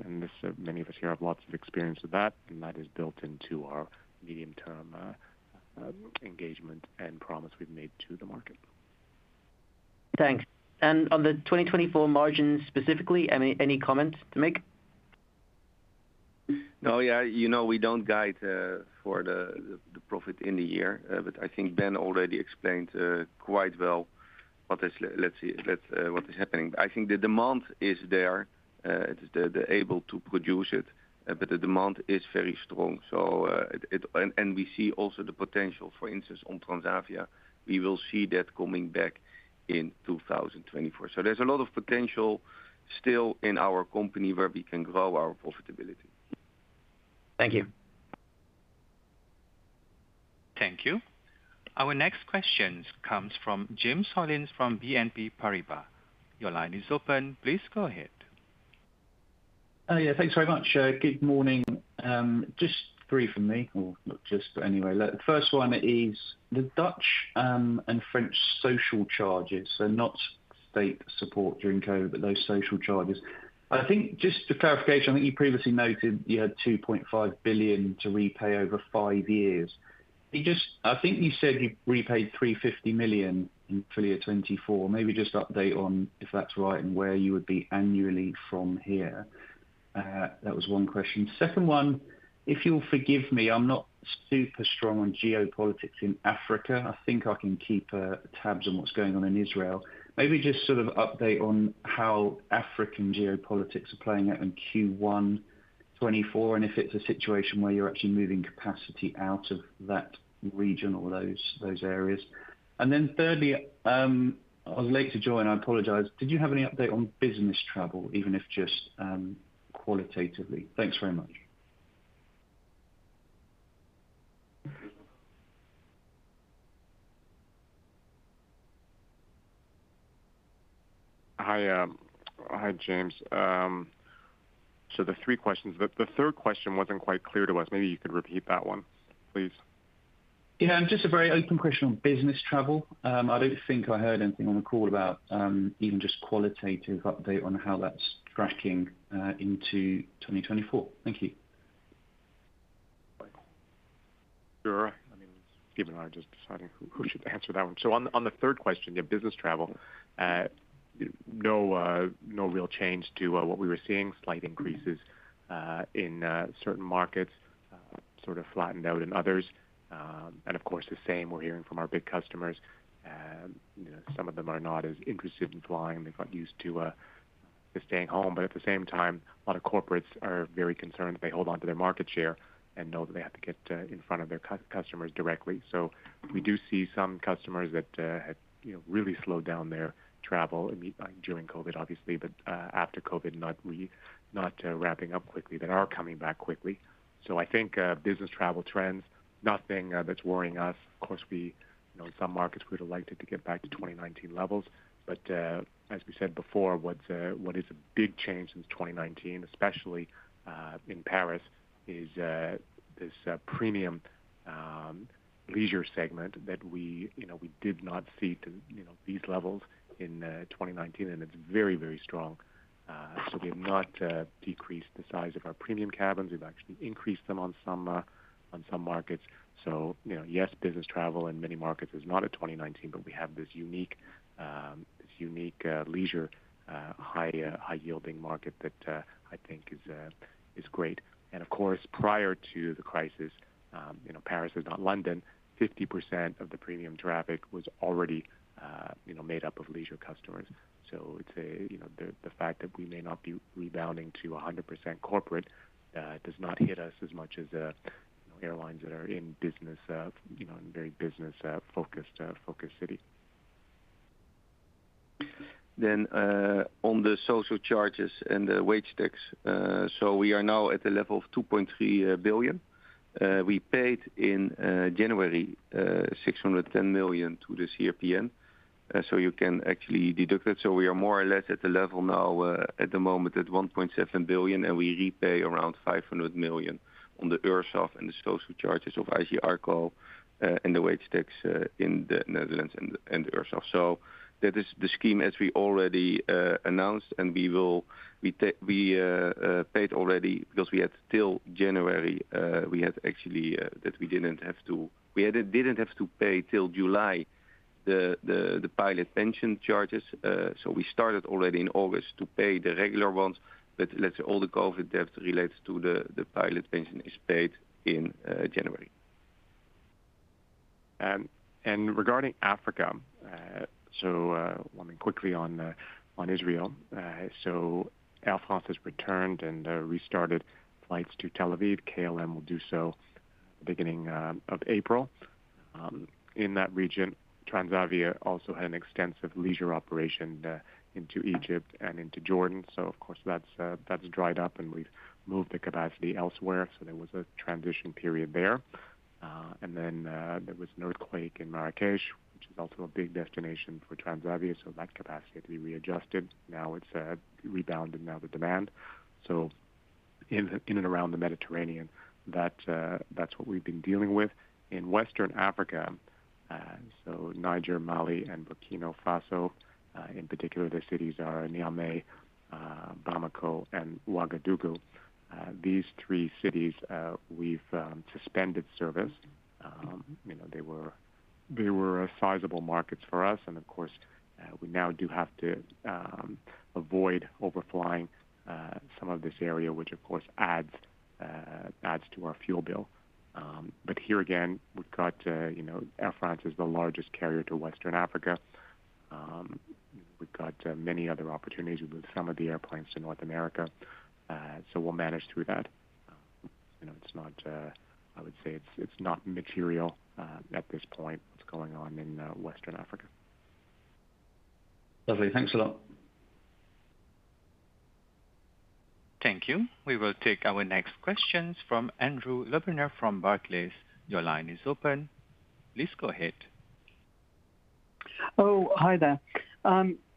many of us here have lots of experience with that. And that is built into our medium-term engagement and promise we've made to the market. Thanks. On the 2024 margin specifically, any comments to make? No. Yeah. You know we don't guide for the profit in the year. But I think Ben already explained quite well what is happening. I think the demand is there. It is able to produce it. But the demand is very strong. And we see also the potential, for instance, on Transavia, we will see that coming back in 2024. So there's a lot of potential still in our company where we can grow our profitability. Thank you. Thank you. Our next question comes from Jim Sollins from BNP Paribas. Your line is open. Please go ahead. Yeah. Thanks very much. Good morning. Just three from me. Or not just, but anyway. The first one is the Dutch and French social charges. So not state support during COVID, but those social charges. I think just for clarification, I think you previously noted you had 2.5 billion to repay over five years. I think you said you've repaid 350 million in full in 2024. Maybe just update on if that's right and where you would be annually from here. That was one question. Second one, if you'll forgive me, I'm not super strong on geopolitics in Africa. I think I can keep tabs on what's going on in Israel. Maybe just sort of update on how African geopolitics are playing out in Q1 2024 and if it's a situation where you're actually moving capacity out of that region or those areas. And then thirdly, I was late to join. I apologize. Did you have any update on business travel, even if just qualitatively? Thanks very much. Hi, James. So the three questions. The third question wasn't quite clear to us. Maybe you could repeat that one, please. Yeah. Just a very open question on business travel. I don't think I heard anything on the call about even just qualitative update on how that's tracking into 2024. Thank you. Sure. I mean, given I'm just deciding who should answer that one. So on the third question, yeah, business travel, no real change to what we were seeing. Slight increases in certain markets, sort of flattened out in others. And of course, the same we're hearing from our big customers. Some of them are not as interested in flying. They've gotten used to staying home. But at the same time, a lot of corporates are very concerned that they hold onto their market share and know that they have to get in front of their customers directly. So we do see some customers that had really slowed down their travel during COVID, obviously, but after COVID, not wrapping up quickly, that are coming back quickly. So I think business travel trends, nothing that's worrying us. Of course, in some markets, we would have liked it to get back to 2019 levels. But as we said before, what is a big change since 2019, especially in Paris, is this premium leisure segment that we did not see to these levels in 2019. And it's very, very strong. So we have not decreased the size of our premium cabins. We've actually increased them on some markets. So yes, business travel in many markets is not at 2019, but we have this unique leisure, high-yielding market that I think is great. And of course, prior to the crisis, Paris is not London. 50% of the premium traffic was already made up of leisure customers. So the fact that we may not be rebounding to 100% corporate does not hit us as much as airlines that are in business, in a very business-focused city. Then on the social charges and the wage tax, so we are now at the level of 2.3 billion. We paid in January 610 million to the CRPN. So you can actually deduct it. So we are more or less at the level now at the moment at 1.7 billion. And we repay around 500 million on the URSSAF and the social charges of AGIRC-ARRCO and the wage tax in the Netherlands and the URSSAF. So that is the scheme as we already announced. And we paid already because we had till January, we had actually that we didn't have to pay till July the pilot pension charges. So we started already in August to pay the regular ones. But let's say all the COVID debt related to the pilot pension is paid in January. And regarding Africa, so one thing quickly on Israel. So Air France has returned and restarted flights to Tel Aviv. KLM will do so beginning of April. In that region, Transavia also had an extensive leisure operation into Egypt and into Jordan. So of course, that's dried up. And we've moved the capacity elsewhere. So there was a transition period there. And then there was an earthquake in Marrakesh, which is also a big destination for Transavia. So that capacity had to be readjusted. Now it's rebounded now the demand. So in and around the Mediterranean, that's what we've been dealing with. In Western Africa, so Niger, Mali, and Burkina Faso in particular, the cities are Niamey, Bamako, and Ouagadougou. These three cities, we've suspended service. They were sizable markets for us. And of course, we now do have to avoid overflying some of this area, which of course adds to our fuel bill. But here again, we've got Air France is the largest carrier to Western Africa. We've got many other opportunities with some of the airplanes to North America. So we'll manage through that. It's not, I would say, it's not material at this point what's going on in Western Africa. Lovely. Thanks a lot. Thank you. We will take our next questions from Andrew Lobbenberg from Barclays. Your line is open. Please go ahead. Oh, hi there.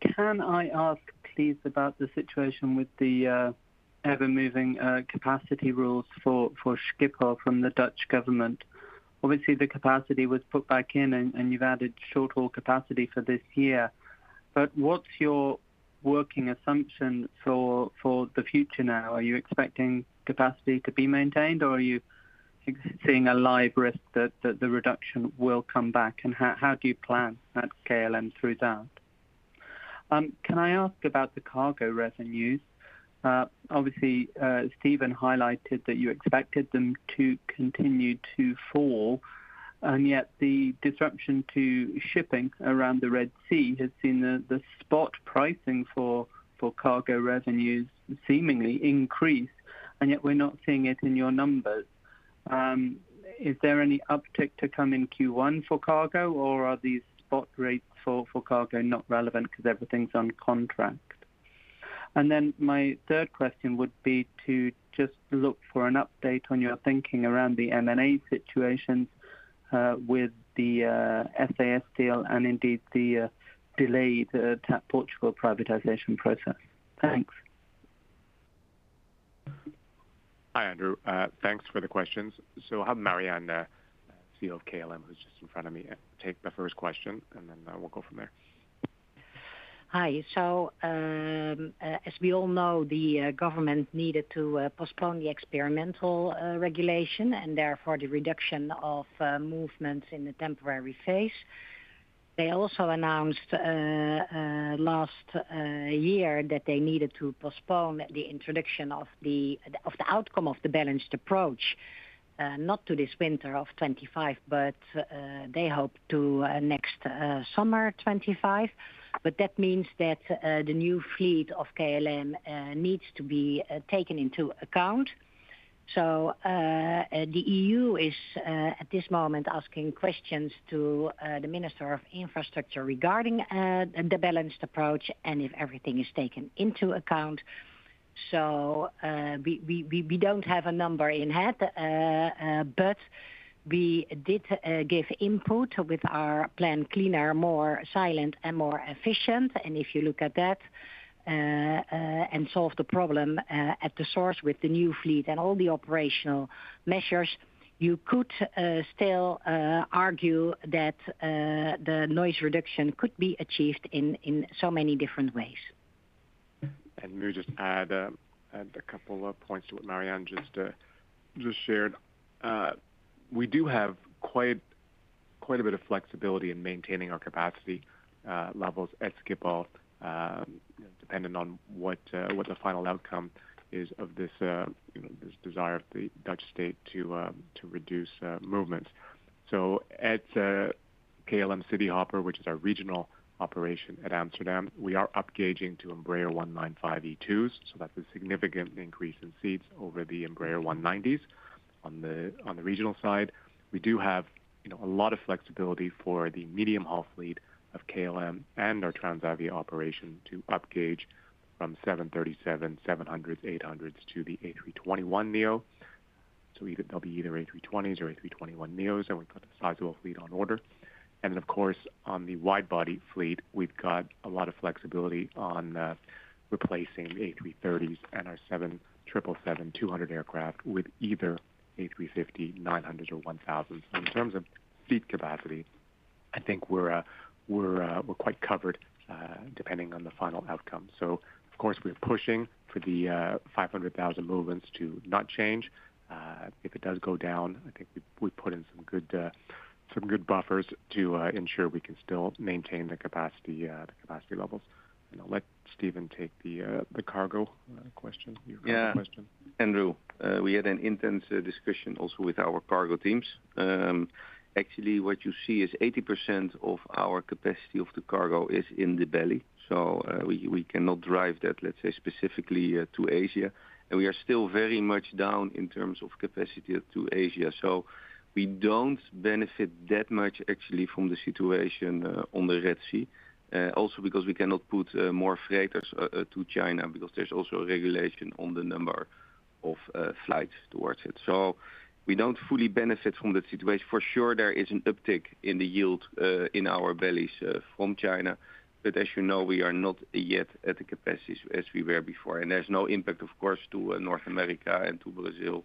Can I ask, please, about the situation with the ever-moving capacity rules for Schiphol from the Dutch government? Obviously, the capacity was put back in, and you've added short-haul capacity for this year. But what's your working assumption for the future now? Are you expecting capacity to be maintained, or are you seeing a live risk that the reduction will come back? And how do you plan at KLM through that? Can I ask about the cargo revenues? Obviously, Stephen highlighted that you expected them to continue to fall. And yet, the disruption to shipping around the Red Sea has seen the spot pricing for cargo revenues seemingly increase. And yet, we're not seeing it in your numbers. Is there any uptick to come in Q1 for cargo, or are these spot rates for cargo not relevant because everything's on contract? And then my third question would be to just look for an update on your thinking around the M&A situations with the SAS deal and indeed the delayed Portugal privatization process. Thanks. Hi, Andrew. Thanks for the questions. So I'll have Marjan, CEO of KLM, who's just in front of me, take the first question. And then we'll go from there. Hi. So as we all know, the government needed to postpone the experimental regulation and therefore the reduction of movements in the temporary phase. They also announced last year that they needed to postpone the introduction of the outcome of the Balanced Approach, not to this winter of 2025, but they hope to next summer 2025. But that means that the new fleet of KLM needs to be taken into account. So the EU is at this moment asking questions to the Minister of Infrastructure regarding the Balanced Approach and if everything is taken into account. So we don't have a number in mind. But we did give input with our plan, cleaner, more silent, and more efficient. And if you look at that and solve the problem at the source with the new fleet and all the operational measures, you could still argue that the noise reduction could be achieved in so many different ways. And maybe just add a couple of points to what Marjan just shared. We do have quite a bit of flexibility in maintaining our capacity levels at Schiphol dependent on what the final outcome is of this desire of the Dutch state to reduce movements. So at KLM Cityhopper, which is our regional operation at Amsterdam, we are upgauging to Embraer E195-E2s. So that's a significant increase in seats over the Embraer 190s on the regional side. We do have a lot of flexibility for the medium-haul fleet of KLM and our Transavia operation to upgauge from 737s, 700s, 800s to the A321neo. So they'll be either A320s or A321neos. And we've got the size of our fleet on order. And then of course, on the wide-body fleet, we've got a lot of flexibility on replacing the A330s and our 777-200 aircraft with either A350-900s or A350-1000s. So in terms of fleet capacity, I think we're quite covered depending on the final outcome. So of course, we're pushing for the 500,000 movements to not change. If it does go down, I think we've put in some good buffers to ensure we can still maintain the capacity levels. And I'll let Stephen take the cargo question, your cargo question. Yeah. Andrew, we had an intense discussion also with our cargo teams. Actually, what you see is 80% of our capacity of the cargo is in the belly. So we cannot drive that, let's say, specifically to Asia. And we are still very much down in terms of capacity to Asia. So we don't benefit that much, actually, from the situation on the Red Sea, also because we cannot put more freighters to China because there's also regulation on the number of flights towards it. So we don't fully benefit from that situation. For sure, there is an uptick in the yield in our bellies from China. But as you know, we are not yet at the capacities as we were before. And there's no impact, of course, to North America and to Brazil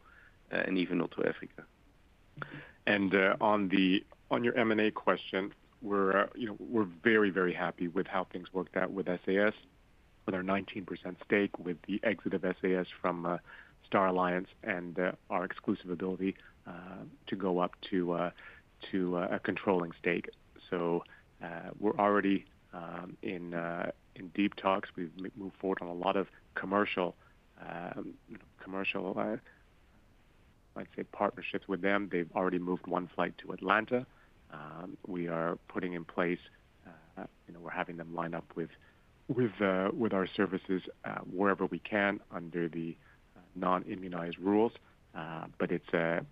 and even not to Africa. And on your M&A question, we're very, very happy with how things worked out with SAS, with our 19% stake, with the exit of SAS from Star Alliance and our exclusive ability to go up to a controlling stake. So we're already in deep talks. We've moved forward on a lot of commercial, I'd say, partnerships with them. They've already moved one flight to Atlanta. We are putting in place we're having them line up with our services wherever we can under the non-immunized rules. But it's a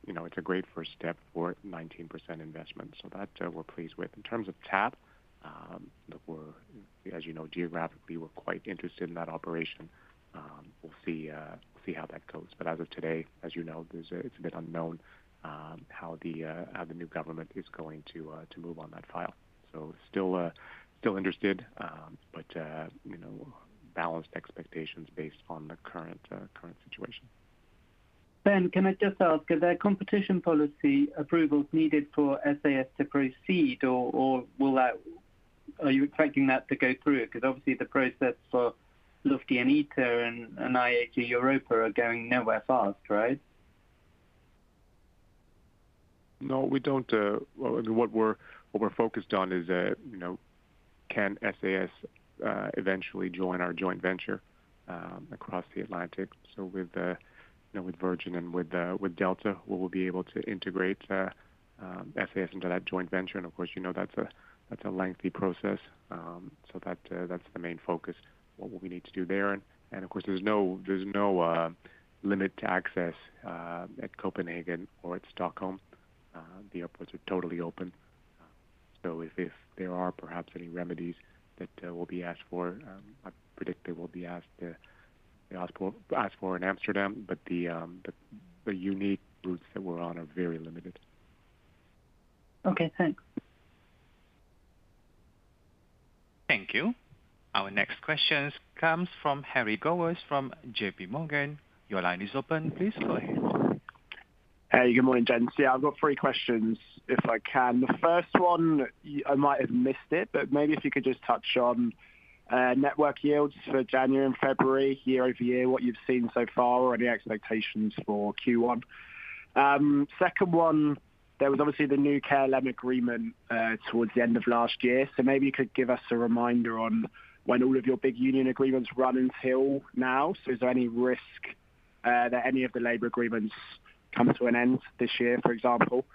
great first step for 19% investment. So that we're pleased with. In terms of TAP, as you know, geographically, we're quite interested in that operation. We'll see how that goes. But as of today, as you know, it's a bit unknown how the new government is going to move on that file. So still interested, but balanced expectations based on the current situation. Ben, can I just ask, are there competition policy approvals needed for SAS to proceed, or are you expecting that to go through? Because obviously, the process for Lufthansa and ITA and IAG Europe are going nowhere fast, right? No, we don't. I mean, what we're focused on is, can SAS eventually join our joint venture across the Atlantic? So with Virgin and with Delta, will we be able to integrate SAS into that joint venture? And of course, you know that's a lengthy process. So that's the main focus, what will we need to do there? And of course, there's no limit to access at Copenhagen or at Stockholm. The airports are totally open. So if there are perhaps any remedies that will be asked for, I predict they will be asked for in Amsterdam. But the unique routes that we're on are very limited. Okay. Thanks. Thank you. Our next question comes from Harry Gowers from JPMorgan. Your line is open. Please go ahead. Hey, good morning, Ben. See, I've got three questions, if I can. The first one, I might have missed it, but maybe if you could just touch on network yields for January and February year-over-year, what you've seen so far, or any expectations for Q1. Second one, there was obviously the new KLM agreement towards the end of last year. Maybe you could give us a reminder on when all of your big union agreements run until now. Is there any risk that any of the labor agreements come to an end this year, for example?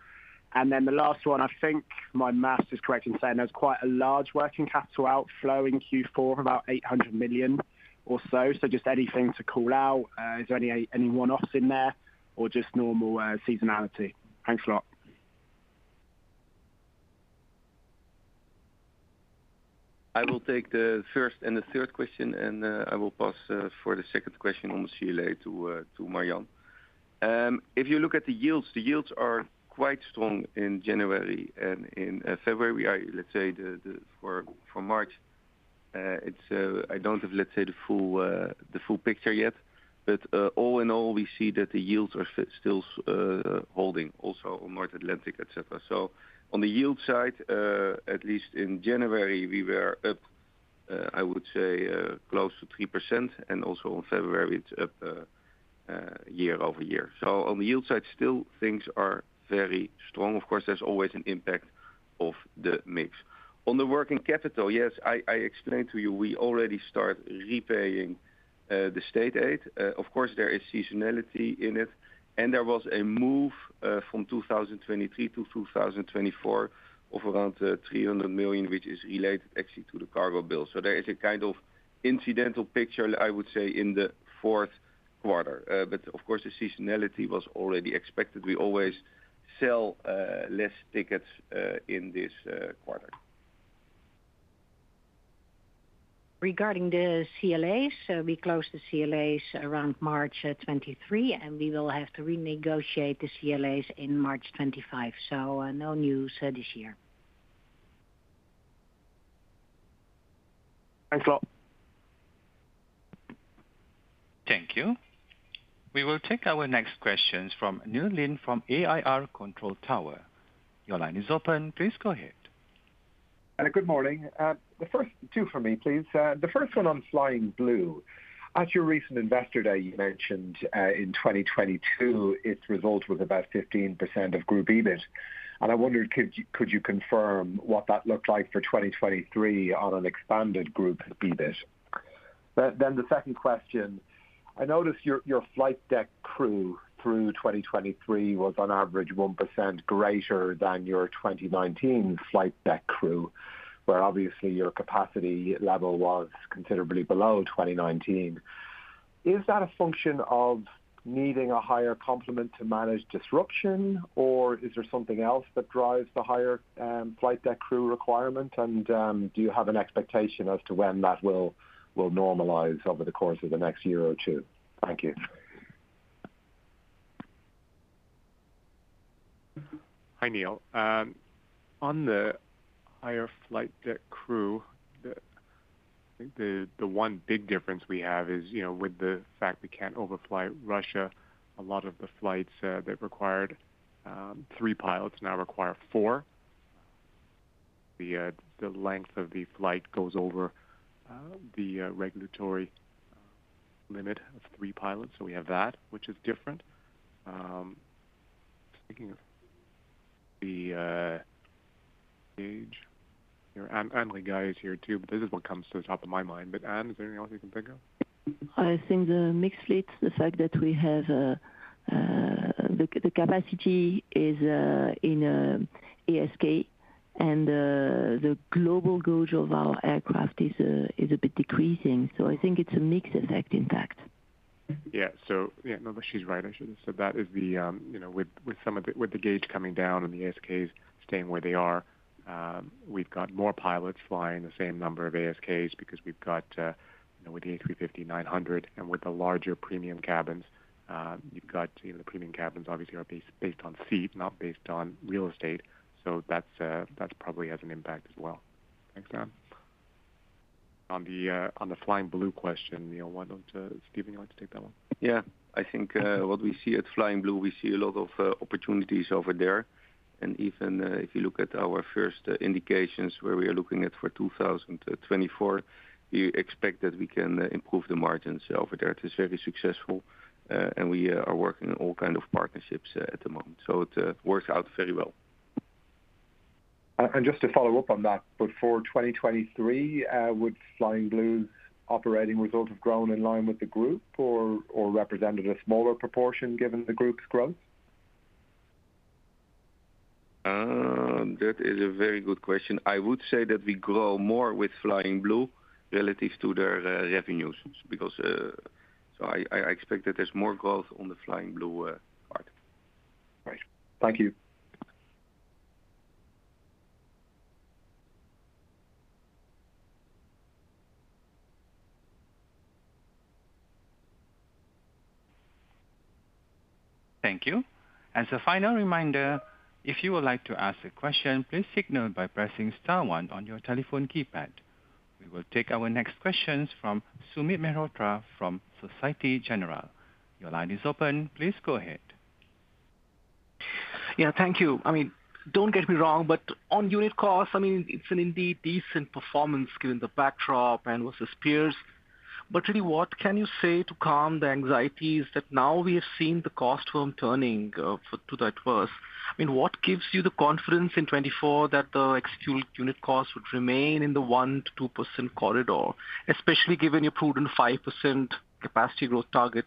Then the last one, I think my math is correct in saying there's quite a large working capital outflow in Q4, about 800 million or so. Just anything to call out. Is there any one-offs in there or just normal seasonality? Thanks a lot. I will take the first and the third question. I will pass for the second question on the CLA to Marjan. If you look at the yields, the yields are quite strong in January. In February, we are, let's say, for March, I don't have, let's say, the full picture yet. But all in all, we see that the yields are still holding also on North Atlantic, etc. So on the yield side, at least in January, we were up, I would say, close to 3%. And also in February, it's up year-over-year. So on the yield side, still, things are very strong. Of course, there's always an impact of the mix. On the working capital, yes, I explained to you, we already start repaying the state aid. Of course, there is seasonality in it. And there was a move from 2023 to 2024 of around 300 million, which is related actually to the cargo bill. So there is a kind of incidental picture, I would say, in the fourth quarter. But of course, the seasonality was already expected. We always sell less tickets in this quarter. Regarding the CLAs, we closed the CLAs around March 23. We will have to renegotiate the CLAs in March 2025. No news this year. Thanks a lot. Thank you. We will take our next questions from Neil Glynn from AIR Control Tower. Your line is open. Please go ahead. Hello. Good morning. The first two for me, please. The first one on Flying Blue. At your recent Investor Day, you mentioned in 2022, its result was about 15% of group EBIT. And I wondered, could you confirm what that looked like for 2023 on an expanded group EBIT? Then the second question. I noticed your flight deck crew through 2023 was, on average, 1% greater than your 2019 flight deck crew, where obviously, your capacity level was considerably below 2019. Is that a function of needing a higher complement to manage disruption, or is there something else that drives the higher flight deck crew requirement? Do you have an expectation as to when that will normalize over the course of the next year or two? Thank you. Hi, Neil. On the higher flight deck crew, I think the one big difference we have is with the fact we can't overfly Russia, a lot of the flights that required three pilots now require four. The length of the flight goes over the regulatory limit of three pilots. So we have that, which is different. Speaking of the gauge, Anne Rigail is here too. This is what comes to the top of my mind. Anne, is there anything else you can think of? I think the mixed fleets, the fact that we have the capacity is in ASK. The global gauge of our aircraft is a bit decreasing. So I think it's a mixed effect, in fact. Yeah. No, but she's right, I should have said that. With the gauge coming down and the ASKs staying where they are, we've got more pilots flying the same number of ASKs because we've got with the A350-900 and with the larger premium cabins, you've got the premium cabins, obviously, are based on seat, not based on real estate. So that probably has an impact as well. Thanks, Anne. On the Flying Blue question, Neil, Stephen, you'd like to take that one? Yeah. I think what we see at Flying Blue, we see a lot of opportunities over there. And even if you look at our first indications where we are looking at for 2024, we expect that we can improve the margins over there. It is very successful. And we are working in all kinds of partnerships at the moment. So it works out very well. Just to follow up on that, but for 2023, would Flying Blue's operating result have grown in line with the group, or represented a smaller proportion given the group's growth? That is a very good question. I would say that we grow more with Flying Blue relative to their revenues because so I expect that there's more growth on the Flying Blue part. Right. Thank you. Thank you. As a final reminder, if you would like to ask a question, please signal by pressing star one on your telephone keypad. We will take our next questions from Sumit Mehrotra from Société Générale. Your line is open. Please go ahead. Yeah. Thank you. I mean, don't get me wrong, but on unit cost, I mean, it's an indeed decent performance given the backdrop and versus peers. But really, what can you say to calm the anxieties that now we have seen the cost curve turning to the worse? I mean, what gives you the confidence in 2024 that the ex-fuel unit cost would remain in the 1%-2% corridor, especially given your prudent 5% capacity growth target?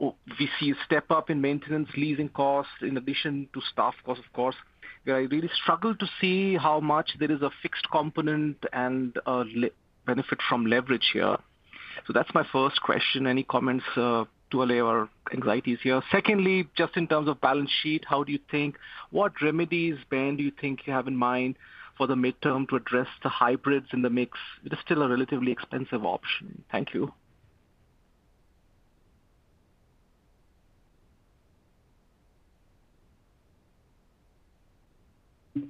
We see a step up in maintenance, leasing costs, in addition to staff costs, of course, where I really struggle to see how much there is a fixed component and benefit from leverage here. So that's my first question. Any comments to alleviate our anxieties here? Secondly, just in terms of balance sheet, how do you think what remedies, Ben, do you think you have in mind for the midterm to address the hybrids in the mix? It is still a relatively expensive option. Thank you.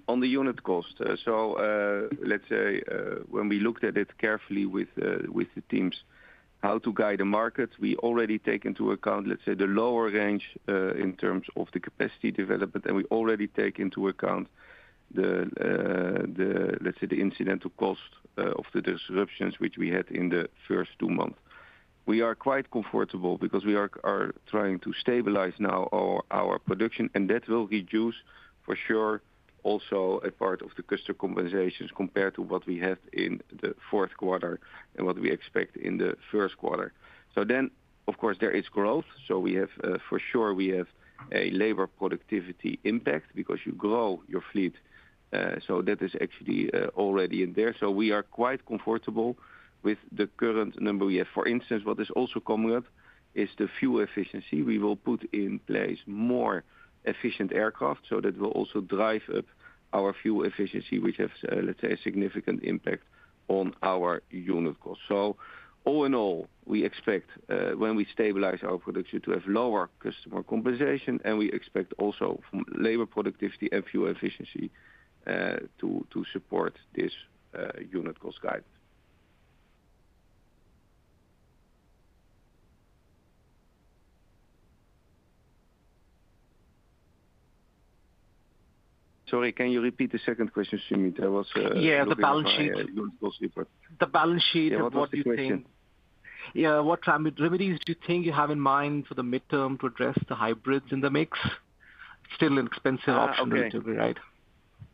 On the unit cost, so let's say when we looked at it carefully with the teams, how to guide the markets, we already take into account, let's say, the lower range in terms of the capacity development. And we already take into account, let's say, the incidental cost of the disruptions, which we had in the first two months. We are quite comfortable because we are trying to stabilize now our production. And that will reduce, for sure, also a part of the customer compensations compared to what we have in the fourth quarter and what we expect in the first quarter. So then, of course, there is growth. So for sure, we have a labor productivity impact because you grow your fleet. So that is actually already in there. So we are quite comfortable with the current number we have. For instance, what is also coming up is the fuel efficiency. We will put in place more efficient aircraft. So that will also drive up our fuel efficiency, which has, let's say, a significant impact on our unit cost. So all in all, we expect, when we stabilize our production, to have lower customer compensation. And we expect also labor productivity and fuel efficiency to support this unit cost guidance. Sorry, can you repeat the second question, Sumit? There was a question about the unit cost report. Yeah. The balance sheet of what you think yeah, what remedies do you think you have in mind for the midterm to address the hybrids in the mix? Still an expensive option to agree, right?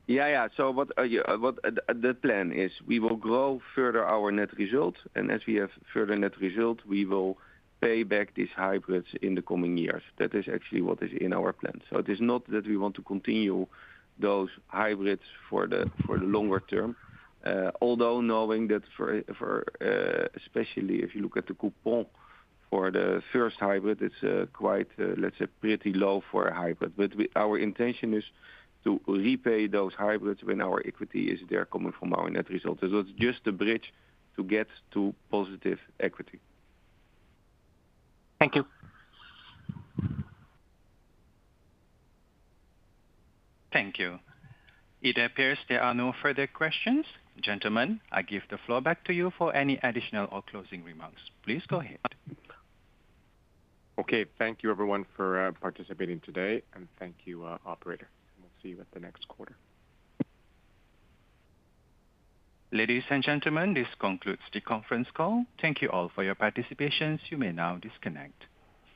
Yeah. Yeah. So the plan is we will grow further our net result. And as we have further net result, we will pay back these hybrids in the coming years. That is actually what is in our plan. So it is not that we want to continue those hybrids for the longer term, although knowing that especially if you look at the coupon for the first hybrid, it's quite, let's say, pretty low for a hybrid. But our intention is to repay those hybrids when our equity is there coming from our net result. So it's just a bridge to get to positive equity. Thank you. Thank you. It appears there are no further questions. Gentlemen, I give the floor back to you for any additional or closing remarks. Please go ahead. Okay. Thank you, everyone, for participating today. And thank you, operator. And we'll see you at the next quarter. Ladies and gentlemen, this concludes the conference call. Thank you all for your participation. You may now disconnect.